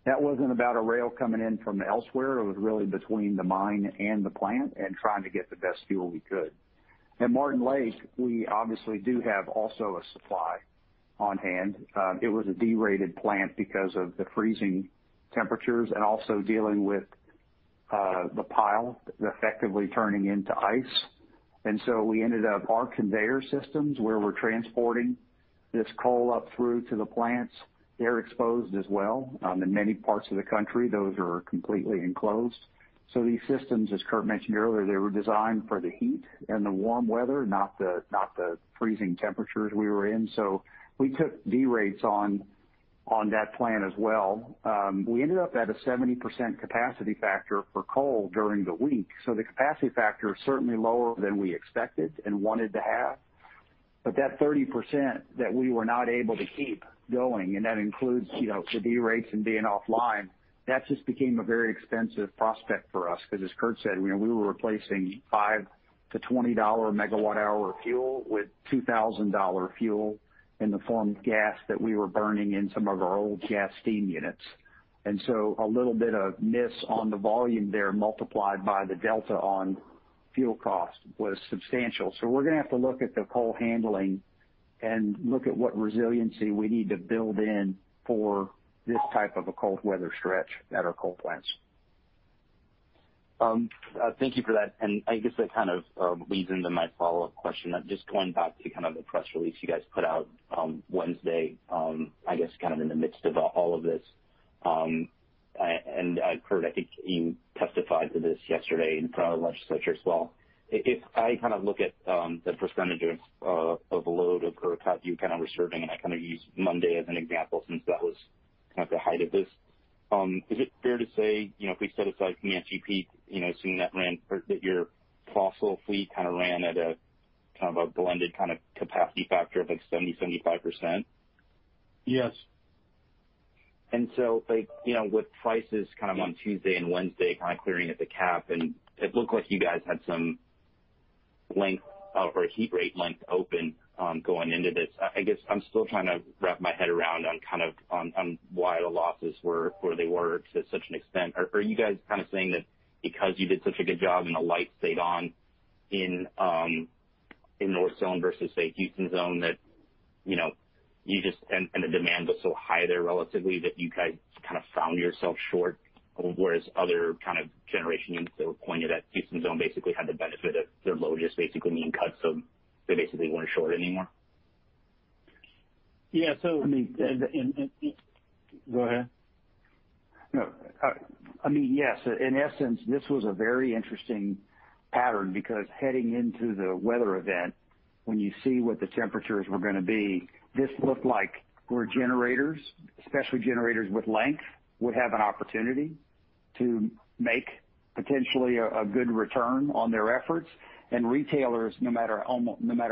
[SPEAKER 4] That wasn't about a rail coming in from elsewhere. It was really between the mine and the plant and trying to get the best fuel we could. At Martin Lake, we obviously do have also a supply on hand. It was a de-rated plant because of the freezing temperatures and also dealing with the pile effectively turning into ice. We ended up, our conveyor systems, where we're transporting this coal up through to the plants, they're exposed as well. In many parts of the country, those are completely enclosed. These systems, as Curt mentioned earlier, they were designed for the heat and the warm weather, not the freezing temperatures we were in. We took de-rates on that plant as well. We ended up at a 70% capacity factor for coal during the week. The capacity factor is certainly lower than we expected and wanted to have. That 30% that we were not able to keep going, and that includes the de-rates and being offline, that just became a very expensive prospect for us. As Curt said, we were replacing $5 MWh-$20 MWh fuel with $2,000 fuel in the form of gas that we were burning in some of our old gas steam units. A little bit of miss on the volume there, multiplied by the delta on fuel cost was substantial. We're going to have to look at the coal handling and look at what resiliency we need to build in for this type of a cold weather stretch at our coal plants.
[SPEAKER 9] Thank you for that, and I guess that kind of leads into my follow-up question. Just going back to the press release you guys put out on Wednesday, I guess in the midst of all of this. Curt, I think you testified to this yesterday in front of the legislature as well. If I look at the percentage of load or capacity you were serving, and I use Monday as an example since that was the height of this. Is it fair to say, if we set aside Comanche Peak, seeing that your fossil fleet ran at a blended capacity factor of like 70%-75%?
[SPEAKER 3] Yes.
[SPEAKER 9] With prices on Tuesday and Wednesday clearing at the cap, and it looked like you guys had some heat rate length open going into this. I guess I'm still trying to wrap my head around on why the losses were where they were to such an extent. Are you guys saying that because you did such a good job and the light stayed on in North Zone versus, say, Houston Zone, and the demand was so high there relatively that you guys found yourself short? Whereas other kind of generation units that were pointed at Houston Zone basically had the benefit of their load just basically being cut, so they basically weren't short anymore?
[SPEAKER 3] Yeah. Go ahead.
[SPEAKER 4] No. I mean, yes. In essence, this was a very interesting pattern because heading into the weather event, when you see what the temperatures were going to be, this looked like where generators, especially generators with length, would have an opportunity to make potentially a good return on their efforts. Retailers, no matter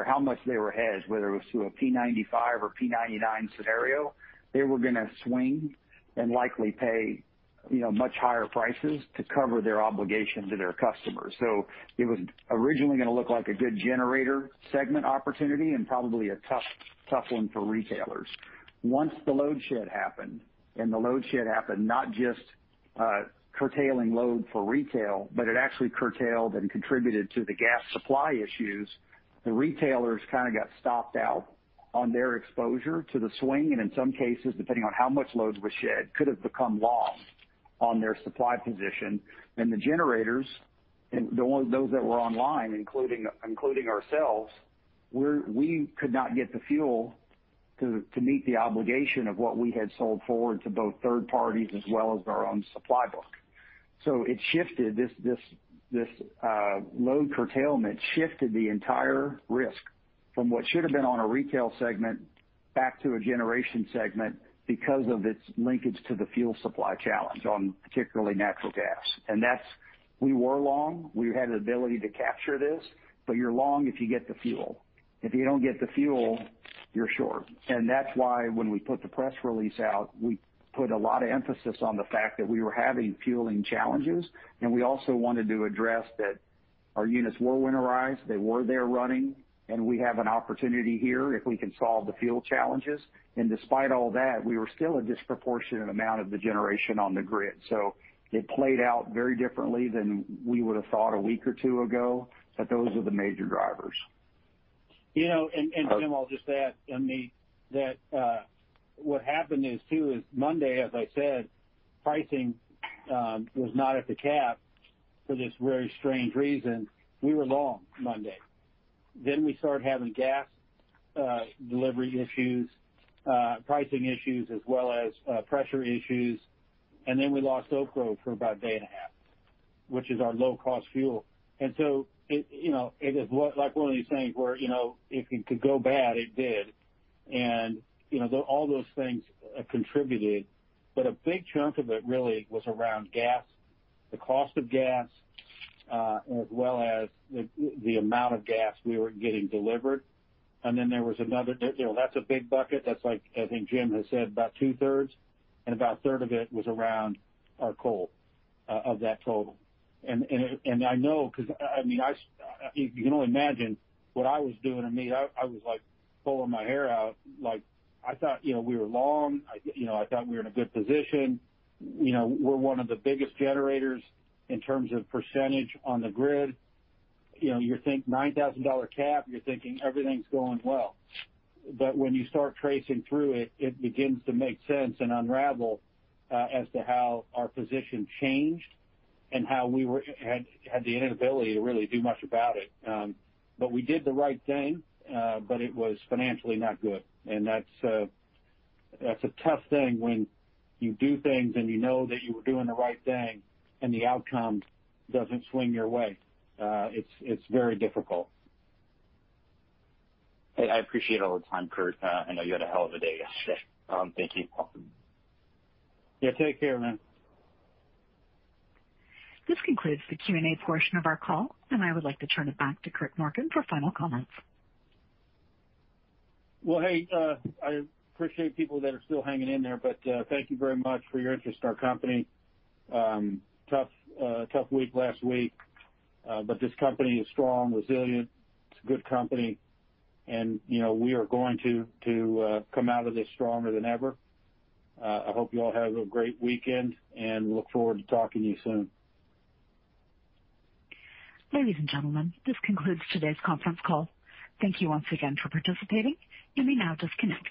[SPEAKER 4] how much they were hedged, whether it was through a P95 or P99 scenario, they were going to swing and likely pay much higher prices to cover their obligation to their customers. It was originally going to look like a good generator segment opportunity and probably a tough one for retailers. Once the load shed happened, and the load shed happened not just curtailing load for retail, but it actually curtailed and contributed to the gas supply issues. The retailers kind of got stopped out on their exposure to the swing, and in some cases, depending on how much loads were shed, could have become long on their supply position. The generators, and those that were online, including ourselves, we could not get the fuel to meet the obligation of what we had sold forward to both third parties as well as our own supply book. It shifted. This load curtailment shifted the entire risk from what should have been on a retail segment back to a generation segment because of its linkage to the fuel supply challenge on particularly natural gas. We were long. We had an ability to capture this, but you're long if you get the fuel. If you don't get the fuel, you're short. That's why when we put the press release out, we put a lot of emphasis on the fact that we were having fueling challenges. We also wanted to address that our units were winterized, they were there running, and we have an opportunity here if we can solve the fuel challenges. Despite all that, we were still a disproportionate amount of the generation on the grid. It played out very differently than we would've thought a week or two ago, but those are the major drivers.
[SPEAKER 3] Jim, I'll just add, that what happened is too is Monday, as I said, pricing was not at the cap for this very strange reason. We were long Monday. We started having gas delivery issues, pricing issues, as well as pressure issues. We lost Oak Grove for about a day and a half, which is our low-cost fuel. It is like one of these things where if it could go bad, it did. All those things contributed. A big chunk of it really was around gas, the cost of gas, as well as the amount of gas we were getting delivered. There was another, That's a big bucket. That's like, I think Jim has said, about two-thirds, and about a third of it was around our coal, of that total. I know because you can only imagine what I was doing to me. I was pulling my hair out. I thought we were long. I thought we were in a good position. We're one of the biggest generators in terms of percentage on the grid. You think $9,000 cap, you're thinking everything's going well. When you start tracing through it begins to make sense and unravel as to how our position changed and how we had the inability to really do much about it. We did the right thing. It was financially not good. That's a tough thing when you do things and you know that you were doing the right thing and the outcome doesn't swing your way. It's very difficult.
[SPEAKER 9] Hey, I appreciate all the time, Curt. I know you had a hell of a day yesterday. Thank you.
[SPEAKER 3] Welcome. Yeah, take care, man.
[SPEAKER 1] This concludes the Q&A portion of our call, and I would like to turn it back to Curt Morgan for final comments.
[SPEAKER 3] Well, hey, I appreciate people that are still hanging in there, but thank you very much for your interest in our company. Tough week last week. This company is strong, resilient. It's a good company, and we are going to come out of this stronger than ever. I hope you all have a great weekend, and look forward to talking to you soon.
[SPEAKER 1] Ladies and gentlemen, this concludes today's conference call. Thank you once again for participating. You may now disconnect.